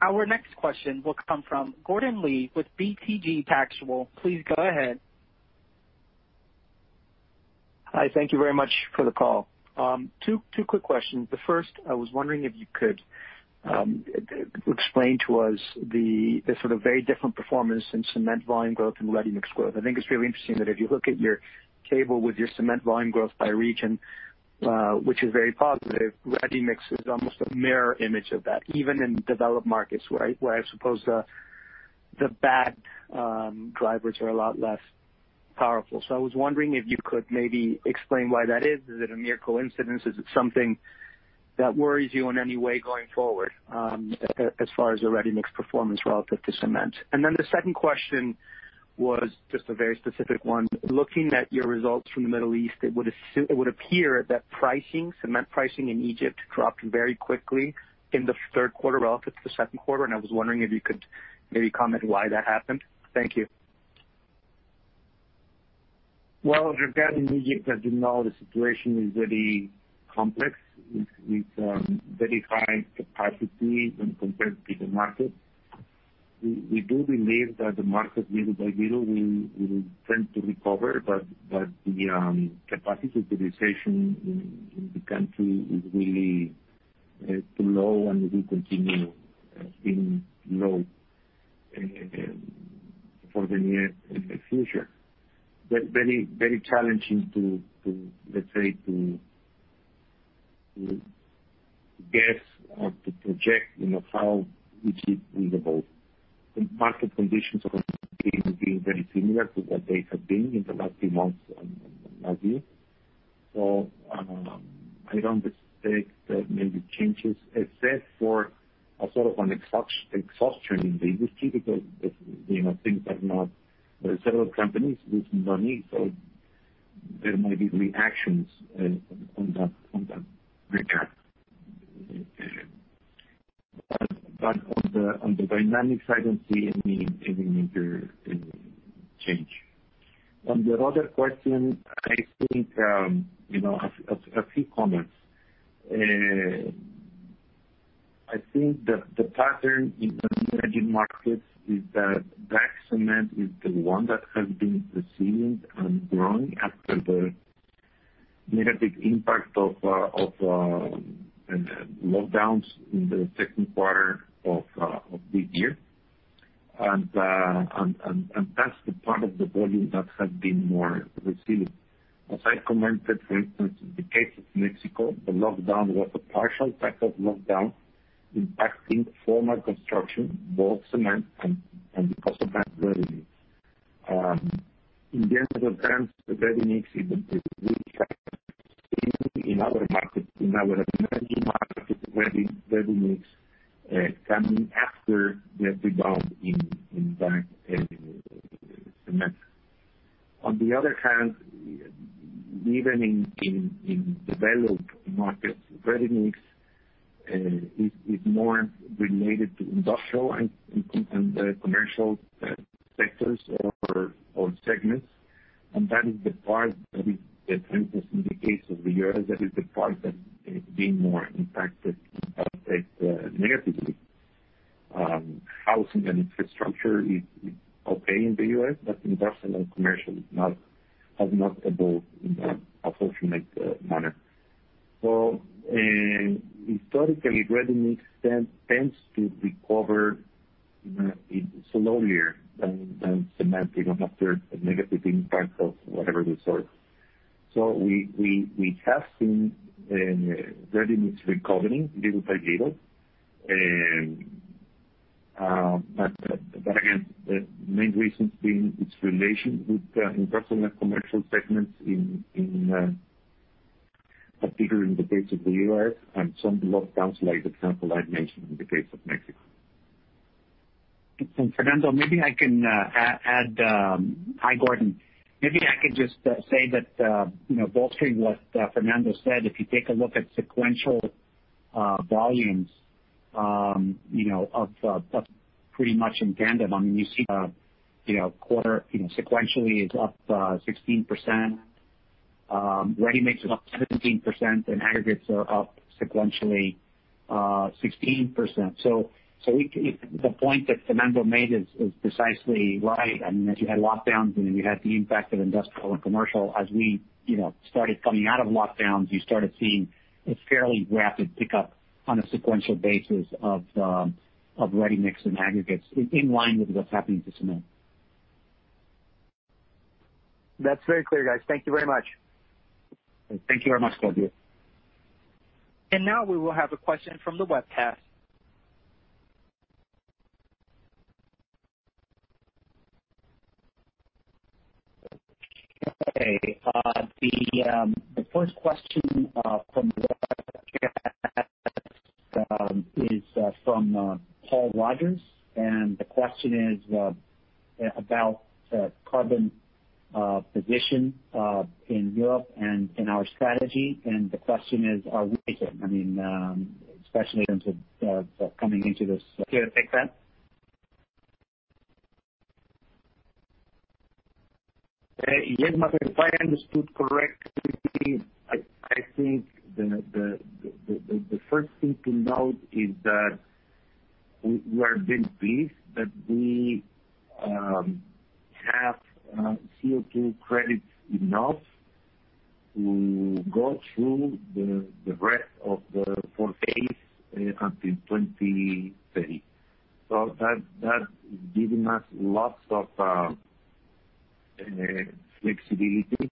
Our next question will come from Gordon Lee with BTG Pactual. Please go ahead. Hi. Thank you very much for the call. Two quick questions. The first, I was wondering if you could explain to us the sort of very different performance in cement volume growth and ready-mix growth. I think it's really interesting that if you look at your table with your cement volume growth by region, which is very positive, ready-mix is almost a mirror image of that, even in developed markets, where I suppose the bag drivers are a lot less powerful. I was wondering if you could maybe explain why that is. Is it a mere coincidence? Is it something that worries you in any way going forward, as far as the ready-mix performance relative to cement? Then the second question was just a very specific one. Looking at your results from the Middle East, it would appear that pricing, cement pricing in Egypt dropped very quickly in the third quarter relative to the second quarter. I was wondering if you could maybe comment why that happened. Thank you. Well, regarding Egypt, as you know, the situation is very complex with very high capacity when compared to the market. We do believe that the market, little by little, will tend to recover. The capacity utilization in the country is really too low, and will continue being low for the near future. Very challenging to guess or to project how this is predictable. Market conditions are being very similar to what they have been in the last few months and last year. I don't expect that maybe changes except for a sort of an exhaustion in the industry, because there are several companies losing money, so there might be reactions on that front. On the dynamics, I don't see any major change. On the other question, I think a few comments. I think that the pattern in the emerging markets is that bagged cement is the one that has been resilient and growing after the negative impact of lockdowns in the second quarter of this year. That's the part of the volume that has been more resilient. As I commented, for instance, in the case of Mexico, the lockdown was a partial type of lockdown impacting formal construction, bulk cement, and because of that, ready-mix. In the end of the day, the ready-mix is really in other markets, in other emerging markets, ready-mix coming after the rebound in bagged cement. On the other hand, even in developed markets, ready-mix is more related to industrial and commercial sectors or segments, and that is the part that is, for instance in the case of the U.S., that is the part that is being more impacted negatively. Housing and infrastructure is okay in the U.S., but industrial and commercial have not evolved in an appropriate manner. Historically, ready-mix tends to recover slower than cement, we know, after a negative impact of whatever the sort. We have seen ready-mix recovering little by little. Again, the main reason being its relation with industrial and commercial segments in, particularly in the case of the U.S., and some lockdowns like the example I mentioned in the case of Mexico. Fernando, maybe I can add Hi, Gordon. Maybe I could just say that, bolstering what Fernando said, if you take a look at sequential volumes of pretty much in tandem. I mean, you see sequentially is up 16%, ready-mix is up 17%, and aggregates are up sequentially 10.16%. The point that Fernando made is precisely right. As you had lockdowns and you had the impact of industrial and commercial, as we started coming out of lockdowns, you started seeing a fairly rapid pickup on a sequential basis of ready-mix and aggregates in line with what's happening to cement. That's very clear, guys. Thank you very much. Thank you very much, Gordon. Now we will have a question from the webcast. Okay. The first question from the webcast is from Paul Roger, the question is about the carbon position in Europe and in our strategy, the question is, are we taking, especially in terms of coming into this cycle from a position of strength. You want to take that? Yes. If I understood correctly, I think the first thing to note is that we are very pleased that we have CO2 credits enough to go through the rest of the forecast until 2030. That's giving us lots of flexibility,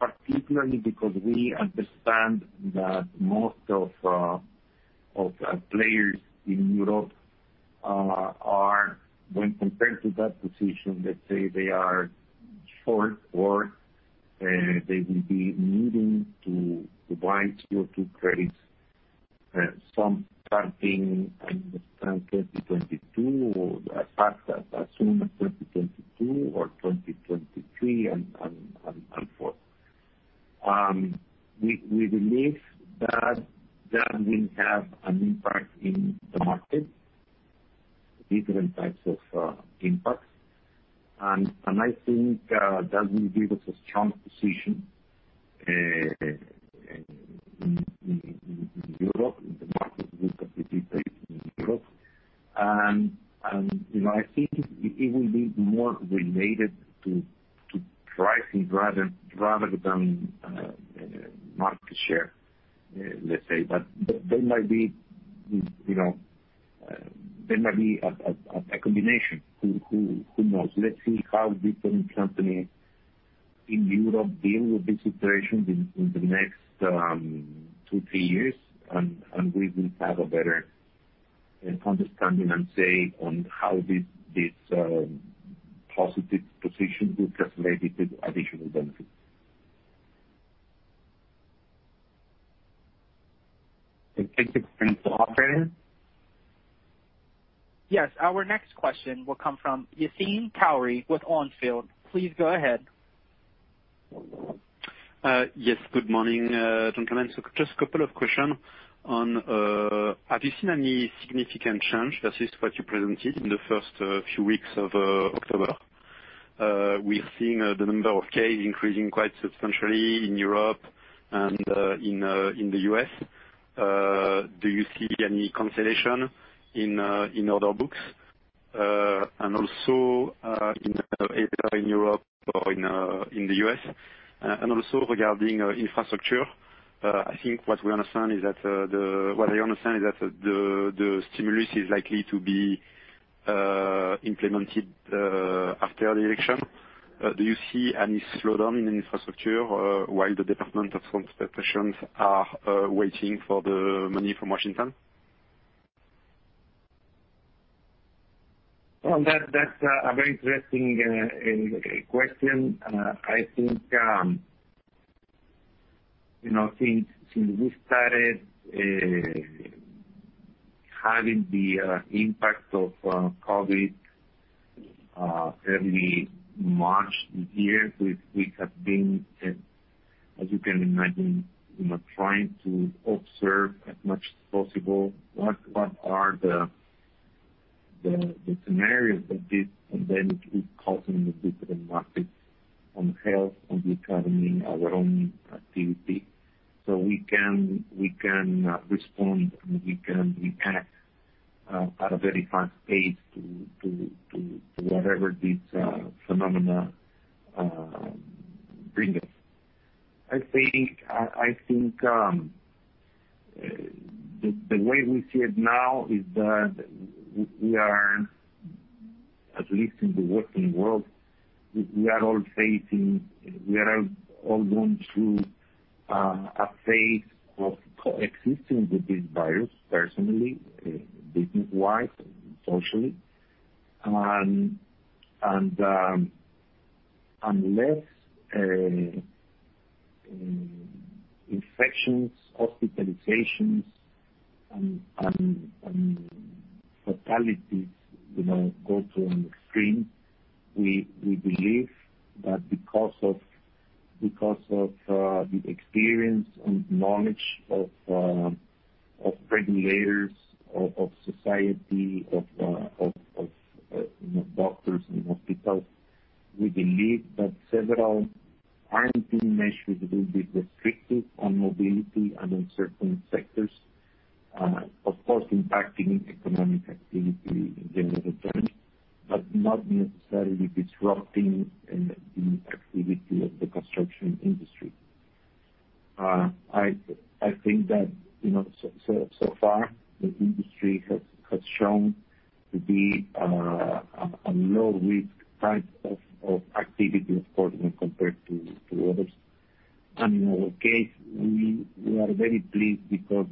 particularly because we understand that most of our players in Europe are, when compared to that position, let's say they are short or they will be needing to buy CO2 credits, some starting in 2022 or as soon as 2022 or 2023 and forth. We believe that that will have an impact in the market, different types of impacts. I think that will give us a strong position in Europe, in the market group that we participate in in Europe. I think it will be more related to pricing rather than market share, let's say. There might be a combination. Who knows? Let's see how different companies in Europe deal with this situation in the next two, three years. We will have a better understanding and say on how this positive position will translate into additional benefits. Okay. Thanks. Operator? Yes. Our next question will come from Yassine Touahri with On Field. Please go ahead. Yes. Good morning, gentlemen. Just a couple of questions on, have you seen any significant change versus what you presented in the first few weeks of October? We're seeing the number of cases increasing quite substantially in Europe and in the U.S. Do you see any cancellation in order books? Also, either in Europe or in the U.S., regarding infrastructure, I think what I understand is that the stimulus is likely to be implemented after the election. Do you see any slowdown in infrastructure while the Department of Transportations are waiting for the money from Washington? That's a very interesting question. I think since we started having the impact of COVID early March this year, we have been, as you can imagine, trying to observe as much as possible what are the scenarios that this pandemic is causing in different markets, on health, on the economy, our own activity, so we can respond, and we can react at a very fast pace to whatever this phenomena bring us. I think the way we see it now is that we are, at least in the working world, we are all going through a phase of coexisting with this virus personally, business-wise, socially. Unless infections, hospitalizations, and fatalities go to an extreme, we believe that because of the experience and knowledge of regulators, of society, of doctors and hospitals. We believe that several quarantine measures will be restrictive on mobility and on certain sectors, of course, impacting economic activity in the near term, but not necessarily disrupting the activity of the construction industry. I think that so far the industry has shown to be a low-risk type of activity, of course, when compared to others. In our case, we are very pleased because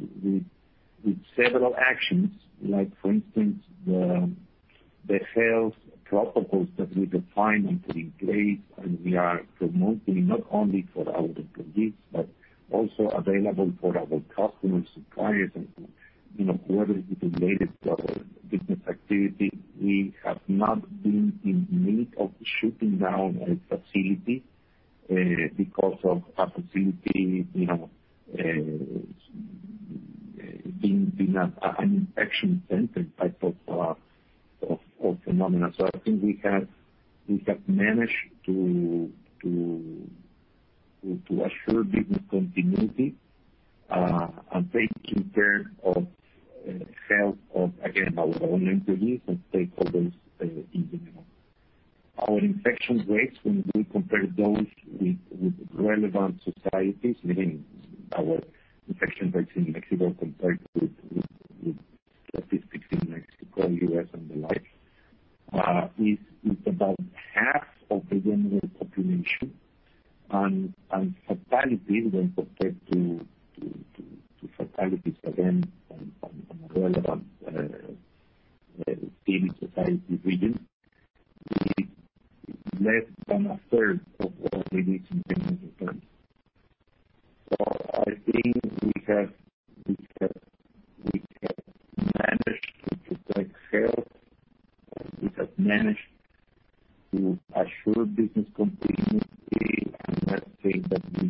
with several actions, like for instance, the health protocols that we defined and put in place, and we are promoting not only for our own employees, but also available for our customers, suppliers, and whoever is related to our business activity. We have not been in need of shutting down a facility because of a facility being an infection center type of phenomenon. I think we have managed to assure business continuity, and take care of health of, again, our own employees and stakeholders in general. Our infection rates, when we compare those with relevant societies, meaning our infection rates in Mexico compared with statistics in Mexico, U.S., and the like, is about half of the general population. Fatalities, when compared to fatalities again on relevant civic society regions, is less than a third of what we see in general terms. I think we have managed to protect health, and we have managed to assure business continuity, and I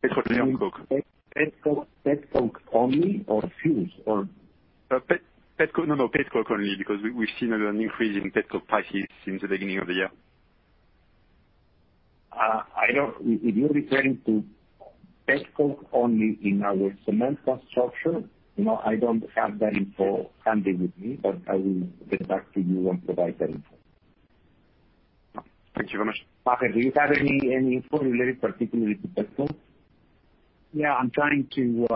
Petroleum coke. Pet coke only, or fuels, or? No, pet coke only, because we've seen an increase in pet coke prices since the beginning of the year. If you're referring to pet coke only in our cement construction, I don't have that info handy with me, but I will get back to you and provide that info. Thank you very much. Maher, do you have any info related particularly to pet coke? Yeah, I'm trying to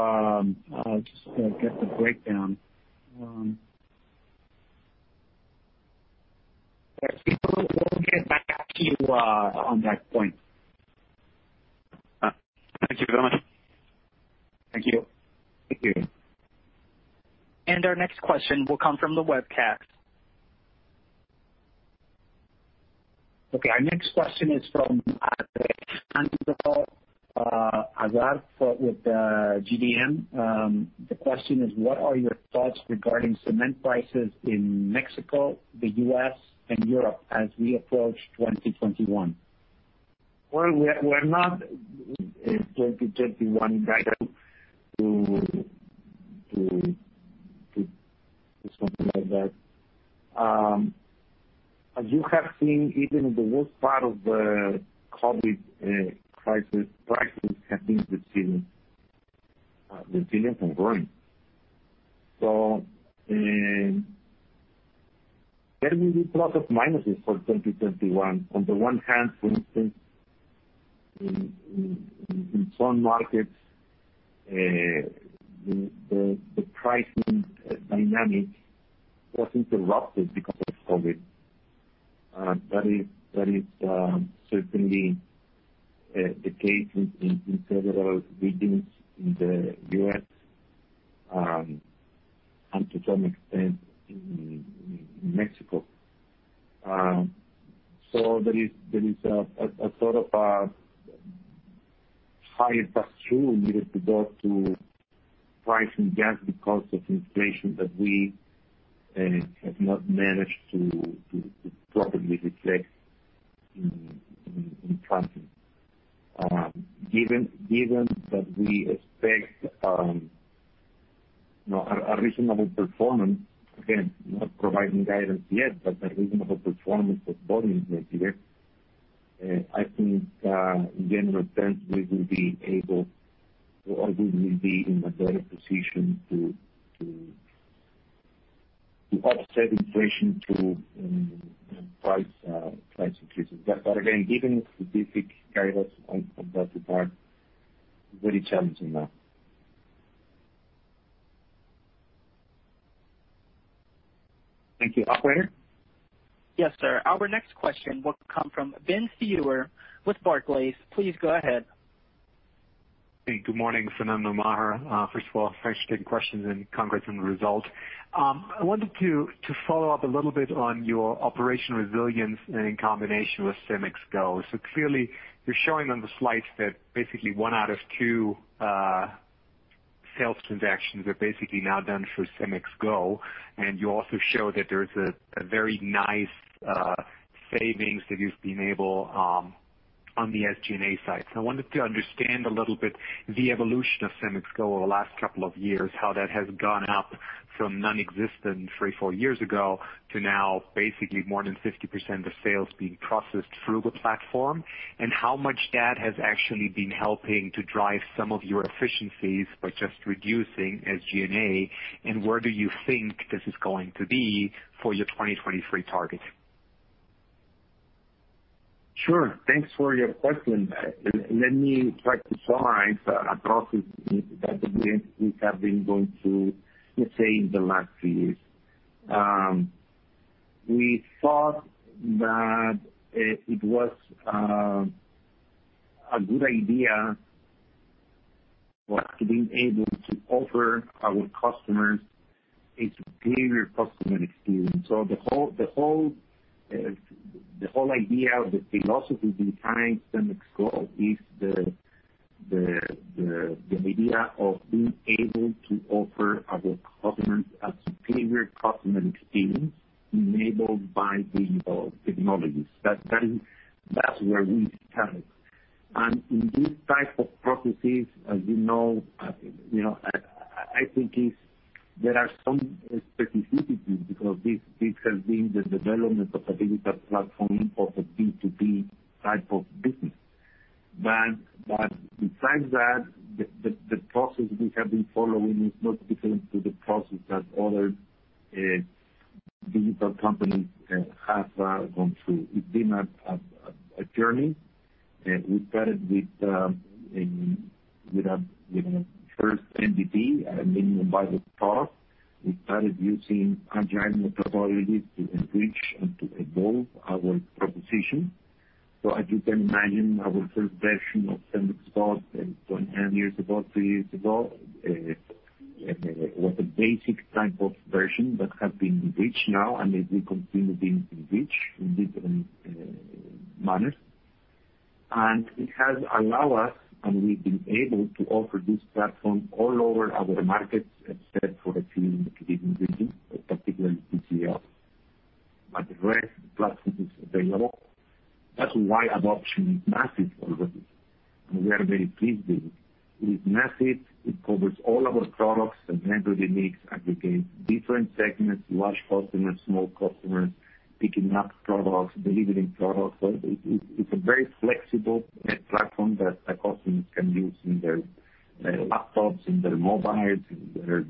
just get the breakdown. We'll get back to you on that point. Thank you very much. Thank you. Thank you. Our next question will come from the webcast. Okay. Our next question is from Alejandro Azar with GBM. The question is: What are your thoughts regarding cement prices in Mexico, the U.S., and Europe as we approach 2021? Well, we're not a 2021 guide to something like that. As you have seen, even the worst part of the COVID crisis, prices have been resilient and growing. There will be lots of minuses for 2021. On the one hand, for instance, in some markets, the pricing dynamic was interrupted because of COVID. That is certainly the case in several regions in the U.S., and to some extent, in Mexico. There is a sort of a higher pass-through needed to go to pricing gaps because of inflation that we have not managed to properly reflect in pricing. Given that we expect a reasonable performance, again, not providing guidance yet, but a reasonable performance at volumes next year, I think in general terms, we will be able or we will be in a better position to offset inflation through price increases. Again, given the specific variables on that regard, very challenging now. Thank you. Operator? Yes, sir. Our next question will come from Ben Theurer with Barclays. Please go ahead. Hey, good morning, Fernando Maher. First of all, thanks for taking questions and congrats on the results. I wanted to follow up a little bit on your Operation Resilience in combination with CEMEX Go. Clearly, you're showing on the slides that, basically one out of two sales transactions are basically now done for CEMEX Go. You also show that there is a very nice savings that you've been able on the SG&A side. I wanted to understand a little bit the evolution of CEMEX Go over the last couple of years, how that has gone up from nonexistent three, four years ago to now basically more than 50% of sales being processed through the platform, and how much that has actually been helping to drive some of your efficiencies by just reducing SG&A, and where do you think this is going to be for your 2023 targets? Sure. Thanks for your question. Let me try to summarize a process that we have been going through, let's say, in the last few years. We thought that it was a good idea was to be able to offer our customers a superior customer experience. The whole idea or the philosophy behind CEMEX Go is the idea of being able to offer our customers a superior customer experience enabled by digital technologies. That's where we started. In this type of processes, as we know, I think there are some specificities because this has been the development of a digital platform for a B2B type of business. Besides that, the process we have been following is not different to the process that other digital companies have gone through. It's been a journey. We started with a first MVP, a minimum viable product. We started using agile methodologies to enrich and to evolve our proposition. As you can imagine, our first version of CEMEX Go two and a half years ago, three years ago, was a basic type of version that has been enriched now, and it will continue being enriched in different manners. And it has allowed us, and we've been able to offer this platform all over our markets, except for a few specific regions, particularly PCR. The rest, the platform is available. That's why adoption is massive already, and we are very pleased with it. It is massive. It covers all our products, cement, ready-mix, aggregates, different segments, large customers, small customers, picking up products, delivering products. It's a very flexible platform that our customers can use in their laptops, in their mobiles, in their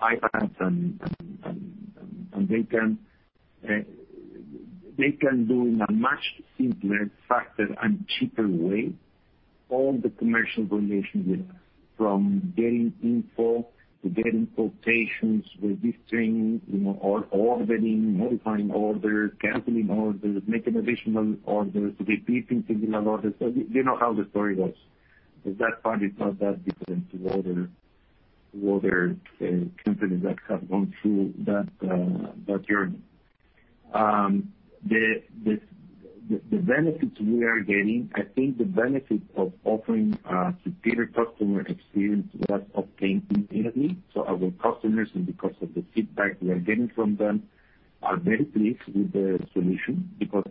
iPads. They can do in a much simpler, faster, and cheaper way all the commercial relations with us, from getting info to getting quotations, registering, or ordering, modifying orders, canceling orders, making additional orders, repeating similar orders. You know how the story goes. That part is not that different to other companies that have gone through that journey. The benefits we are getting, I think the benefit of offering a superior customer experience was obtained immediately. Our customers, and because of the feedback we are getting from them, are very pleased with the solution because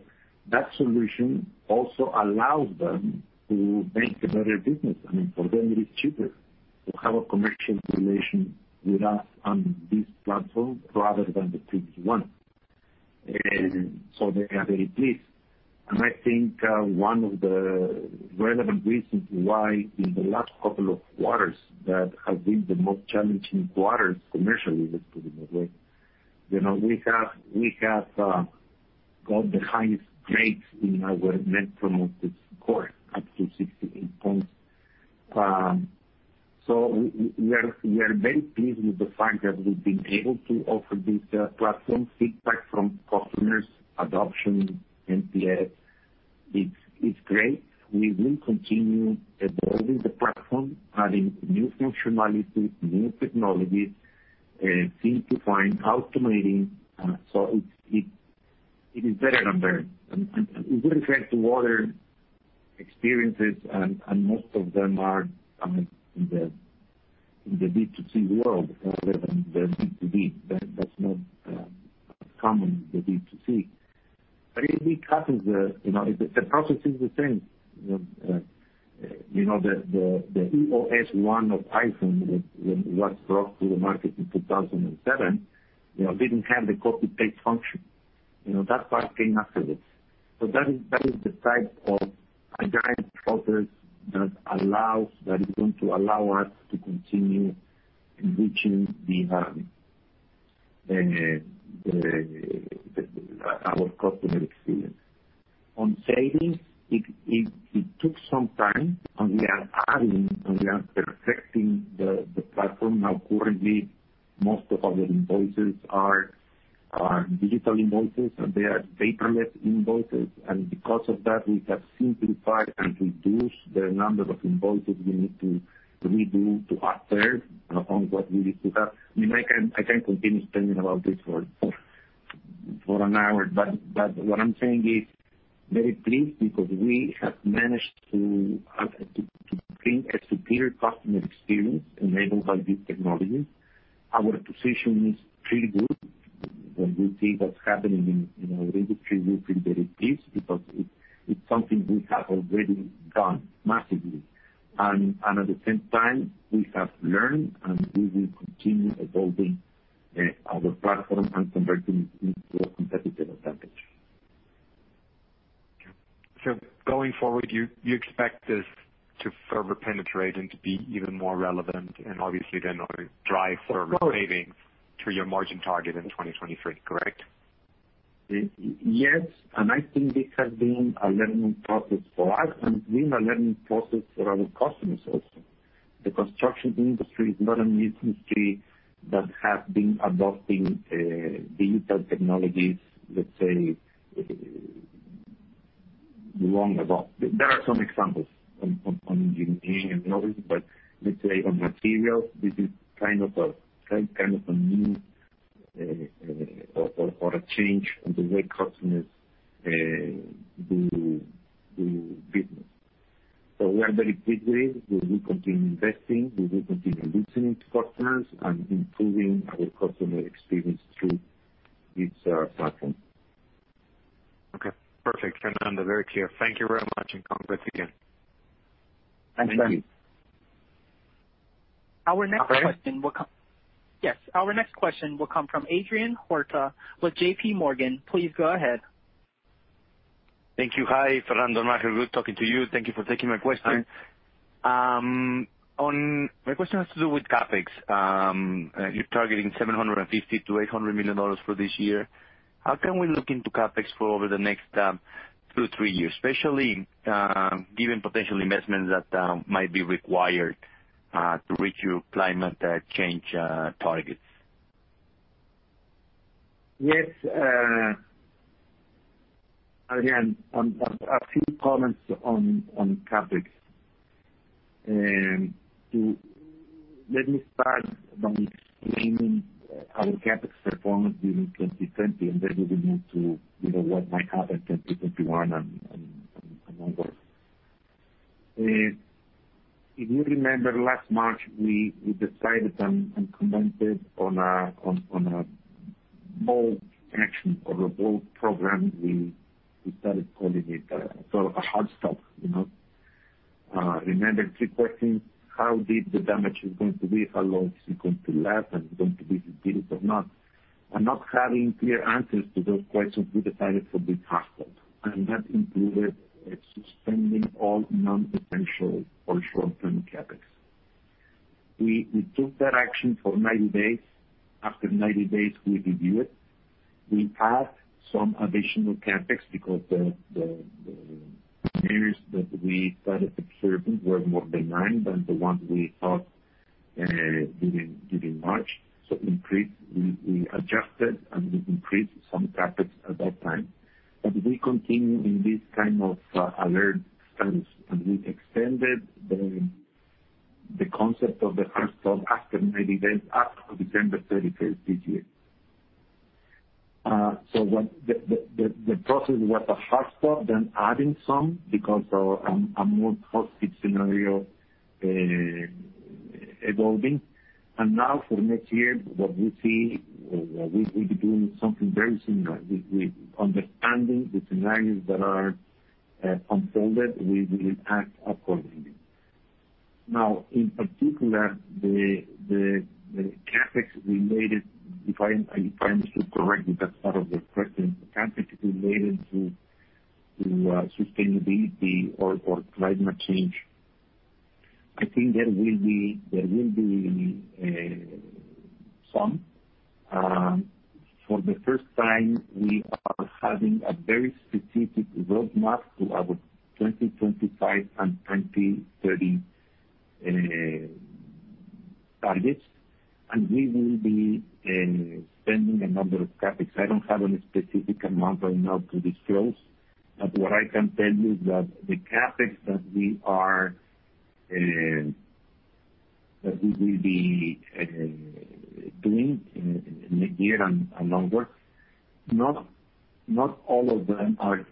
that solution also allows them to make a better business. I mean, for them it is cheaper to have a commercial relation with us on this platform rather than the previous one. They are very pleased. I think one of the relevant reasons why in the last couple of quarters that have been the most challenging quarters commercially, let's put it that way. We have got the highest grades in our Net Promoter Score, up to 68 points. We are very pleased with the fact that we've been able to offer this platform. Feedback from customers, adoption, NPS, it's great. We will continue evolving the platform, adding new functionality, new technologies, and seem to find how to make it better and better. We wouldn't claim to other experiences, and most of them are in the D2C world rather than the B2B. That's more common in the D2C. It happens, the process is the same. The iPhone OS 1, when it was brought to the market in 2007, didn't have the copy-paste function. That part came after it. That is the type of agile process that is going to allow us to continue enriching our customer experience. On savings, it took some time, and we are adding, and we are perfecting the platform. Now currently, most of our invoices are digital invoices, and they are paperless invoices. Because of that, we have simplified and reduced the number of invoices we need to redo to our third on what we used to have. I can continue explaining about this for an hour, but what I'm saying is very pleased because we have managed to bring a superior customer experience enabled by these technologies. Our position is pretty good. When we see what's happening in our industry, we feel very pleased because it's something we have already done massively. At the same time, we have learned, and we will continue evolving our platform and converting it into a competitive advantage. Going forward, you expect this to further penetrate and to be even more relevant, and obviously then drive further savings to your margin target in 2023, correct? Yes. I think this has been a learning process for us, and it's been a learning process for our customers also. The construction industry is not an industry that has been adopting digital technologies, let's say, long ago. There are some examples on engineering and others, but let's say on materials, this is a new or a change in the way customers do business. We are very pleased with, we will continue investing, we will continue listening to customers, and improving our customer experience through this platform. Okay, perfect. Fernando, very clear. Thank you very much, and congrats again. Thank you. Our next question will come- Operator. Yes. Our next question will come from Adrian Huerta with JPMorgan. Please go ahead. Thank you. Hi, Fernando, Maher. Good talking to you. Thank you for taking my question. Hi. My question has to do with CapEx. You're targeting $750 million-$800 million for this year. How can we look into CapEx for over the next two, three years, especially given potential investments that might be required to reach your climate change targets? Yes. A few comments on CapEx. Let me start by explaining our CapEx performance during 2020. We will move to what might happen 2021 and onwards. If you remember last March, we decided and commented on a bold action or a bold program. We started calling it a hard stop. Remember three questions, how big the damage is going to be? How long is it going to last, and is it going to be this big or not? Not having clear answers to those questions, we decided for this hard stop. That included suspending all non-essential or short-term CapEx. We took that action for 90 days. After 90 days, we review it. We had some additional CapEx because the areas that we started observing were more benign than the ones we thought during March. We adjusted. We increased some CapEx at that time. We continue in this kind of alert status, and we extended the concept of the hard stop after 90 days up to December 31st this year. The process was a hard stop, then adding some because of a more positive scenario evolving. Now for next year, what we see, we'll be doing something very similar. We're understanding the scenarios that are unfolded. We will act accordingly. In particular, the CapEx related, if I understood correctly, that's part of the question, the CapEx related to sustainability or climate change. I think there will be some. For the first time, we are having a very specific roadmap to our 2025 and 2030 targets, and we will be spending a number of CapEx. I don't have any specific amount right now to disclose, but what I can tell you is that the CapEx that we will be doing in the year and onward, not all of them are,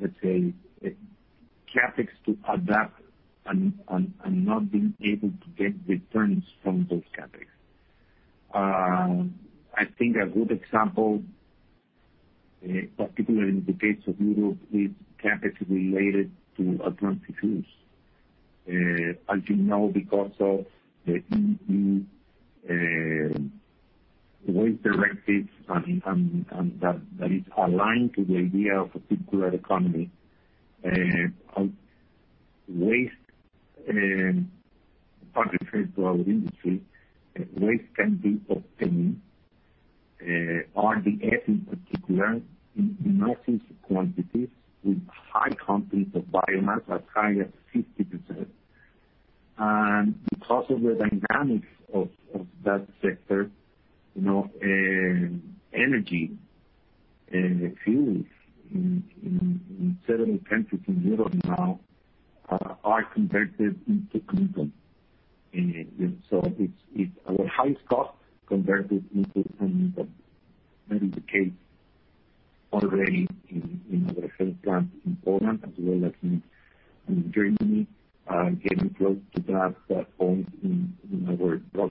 let's say, CapEx to adapt and not being able to get returns from those CapEx. I think a good example, particularly in the case of Europe, is CapEx related to alternative fuels. As you know, because of the EU waste directives, and that is aligned to the idea of a circular economy. Waste, contrary to our industry, waste can be obtained, RDF in particular, in massive quantities with high content of biomass, as high as 50%. Because of the dynamics of that sector, energy fuels in several countries in Europe now are converted into cement. It's our highest cost converted into cement. That is the case already in our first plant in Poland as well as in Germany, and getting close to that point in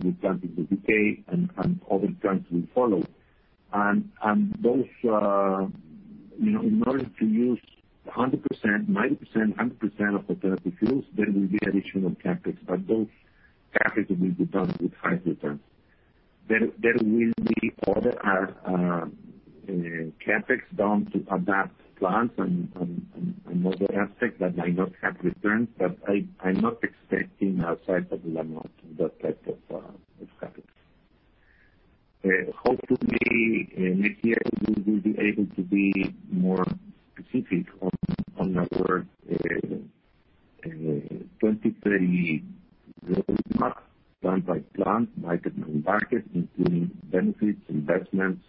our plant in the U.K., and other plants will follow. In order to use 100%, 90%, 100% of alternative fuels, there will be additional CapEx, but those CapEx will be done with high returns. There will be other CapEx done to adapt plants and other aspects that might not have returns, but I'm not expecting a sizable amount in that type of CapEx. Hopefully, next year we will be able to be more specific on our 2030 roadmap, plant by plant, market by market, including benefits, investments,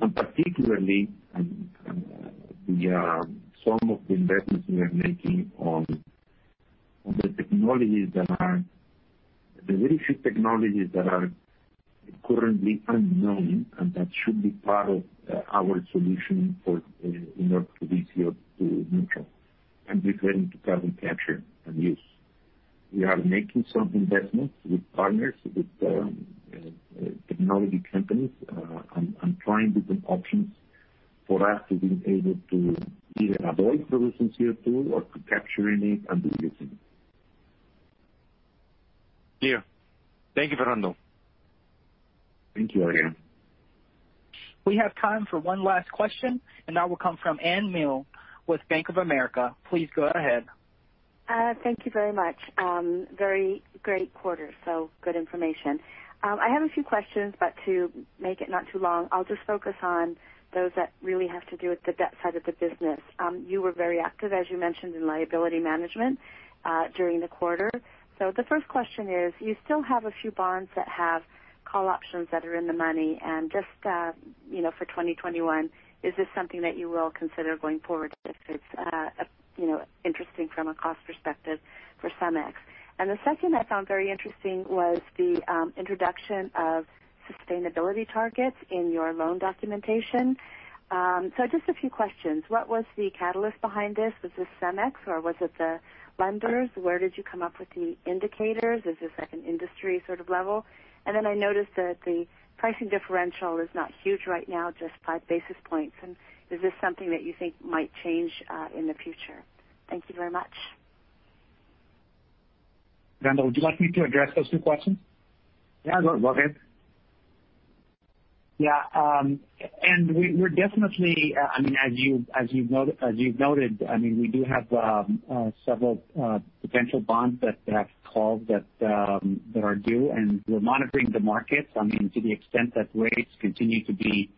and particularly some of the investments we are making on the very few technologies that are currently unknown and that should be part of our solution in order to reach net zero. I'm referring to carbon capture and use. We are making some investments with partners, with technology companies, and trying different options for us to be able to either avoid producing CO2 or capturing it and reusing it. Clear. Thank you, Fernando. Thank you, Adrian. We have time for one last question, and that will come from Anne Milne with Bank of America. Please go ahead. Thank you very much. Very great quarter, good information. I have a few questions, to make it not too long, I'll just focus on those that really have to do with the debt side of the business. You were very active, as you mentioned, in liability management during the quarter. The first question is, you still have a few bonds that have call options that are in the money and just for 2021, is this something that you will consider going forward if it's interesting from a cost perspective for CEMEX? The second I found very interesting was the introduction of sustainability targets in your loan documentation. Just a few questions. What was the catalyst behind this? Was this CEMEX or was it the lenders? Where did you come up with the indicators? Is this at an industry sort of level? I noticed that the pricing differential is not huge right now, just five basis points. Is this something that you think might change in the future? Thank you very much. Fernando, would you like me to address those two questions? Yeah, go ahead. Yeah. As you've noted, we do have several potential bonds that have calls that are due, and we're monitoring the markets. To the extent that rates continue to be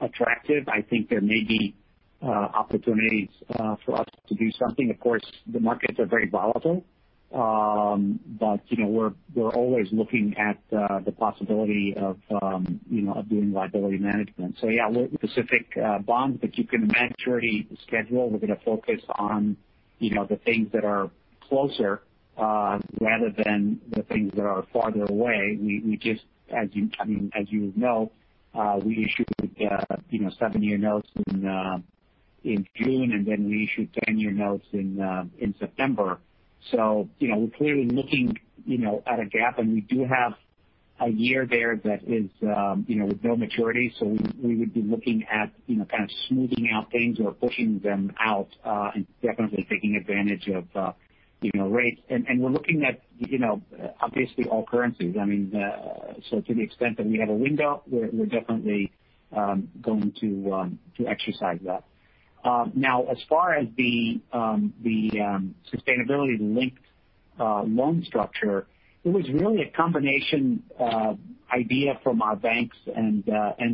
attractive, I think there may be opportunities for us to do something. Of course, the markets are very volatile. We're always looking at the possibility of doing liability management. Yeah, specific bonds, but you can imagine the schedule. We're going to focus on the things that are closer rather than the things that are farther away. As you know, we issued seven-year notes in June, and then we issued 10-year notes in September. We're clearly looking at a gap, and we do have a year there that is with no maturity. We would be looking at kind of smoothing out things or pushing them out and definitely taking advantage of rates. We're looking at, obviously, all currencies. To the extent that we have a window, we're definitely going to exercise that. As far as the sustainability-linked loan structure, it was really a combination idea from our banks and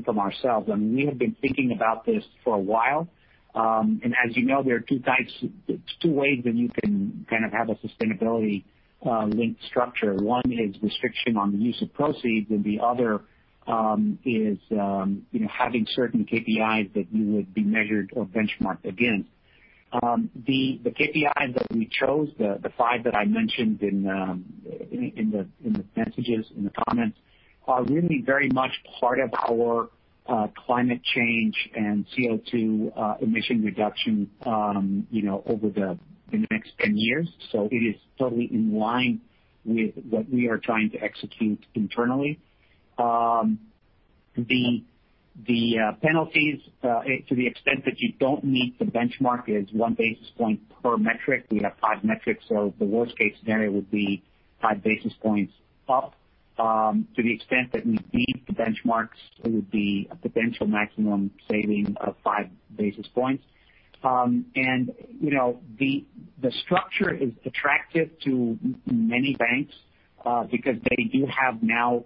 from ourselves. We have been thinking about this for a while. As you know, there are two ways that you can kind of have a sustainability-linked structure. One is restriction on the use of proceeds, and the other is having certain KPIs that you would be measured or benchmarked against. The KPIs that we chose, the five that I mentioned in the messages, in the comments, are really very much part of our climate change and CO2 emission reduction over the next 10 years. It is totally in line with what we are trying to execute internally. The penalties, to the extent that you don't meet the benchmark, is one basis point per metric. We have five metrics, so the worst-case scenario would be five basis points up. To the extent that we beat the benchmarks, it would be a potential maximum saving of five basis points. The structure is attractive to many banks because they do have now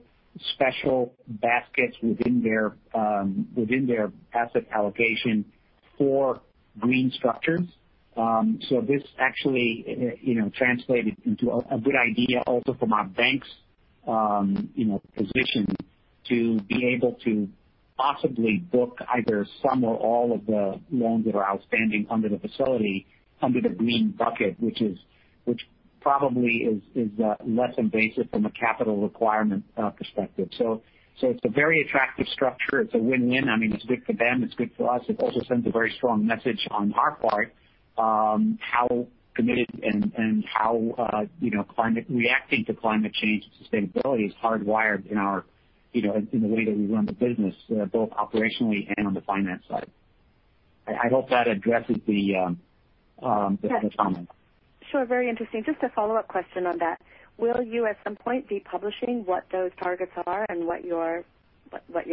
special baskets within their asset allocation for green structures. This actually translated into a good idea also from our banks' position to be able to possibly book either some or all of the loans that are outstanding under the facility under the green bucket, which probably is less invasive from a capital requirement perspective. It's a very attractive structure. It's a win-win. It's good for them. It's good for us. It also sends a very strong message on our part how committed and how reacting to climate change and sustainability is hardwired in the way that we run the business, both operationally and on the finance side. I hope that addresses the comment. Sure. Very interesting. Just a follow-up question on that. Will you, at some point, be publishing what those targets are and what your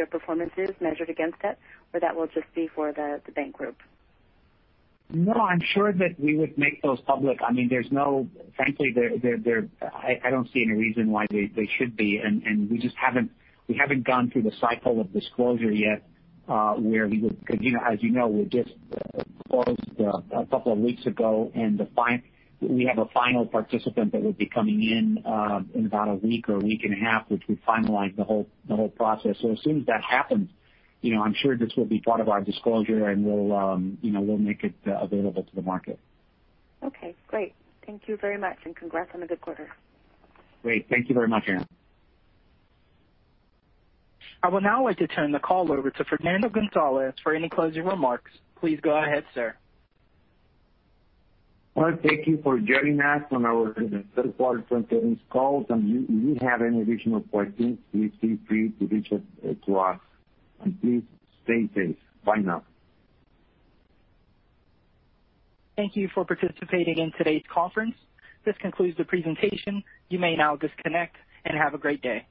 performance is measured against it, or that will just be for the bank group? No, I'm sure that we would make those public. Frankly, I don't see any reason why they should be, and we haven't gone through the cycle of disclosure yet. Because as you know, we just closed a couple of weeks ago, and we have a final participant that will be coming in about a week or week and a half, which we finalize the whole process. As soon as that happens, I'm sure this will be part of our disclosure, and we'll make it available to the market. Okay, great. Thank you very much, and congrats on a good quarter. Great. Thank you very much, Anne. I will now like to turn the call over to Fernando González for any closing remarks. Please go ahead, sir. Well, thank you for joining us on our third quarter conference call. If you have any additional questions, please feel free to reach out to us. Please stay safe. Bye now. Thank you for participating in today's conference. This concludes the presentation. You may now disconnect, and have a great day.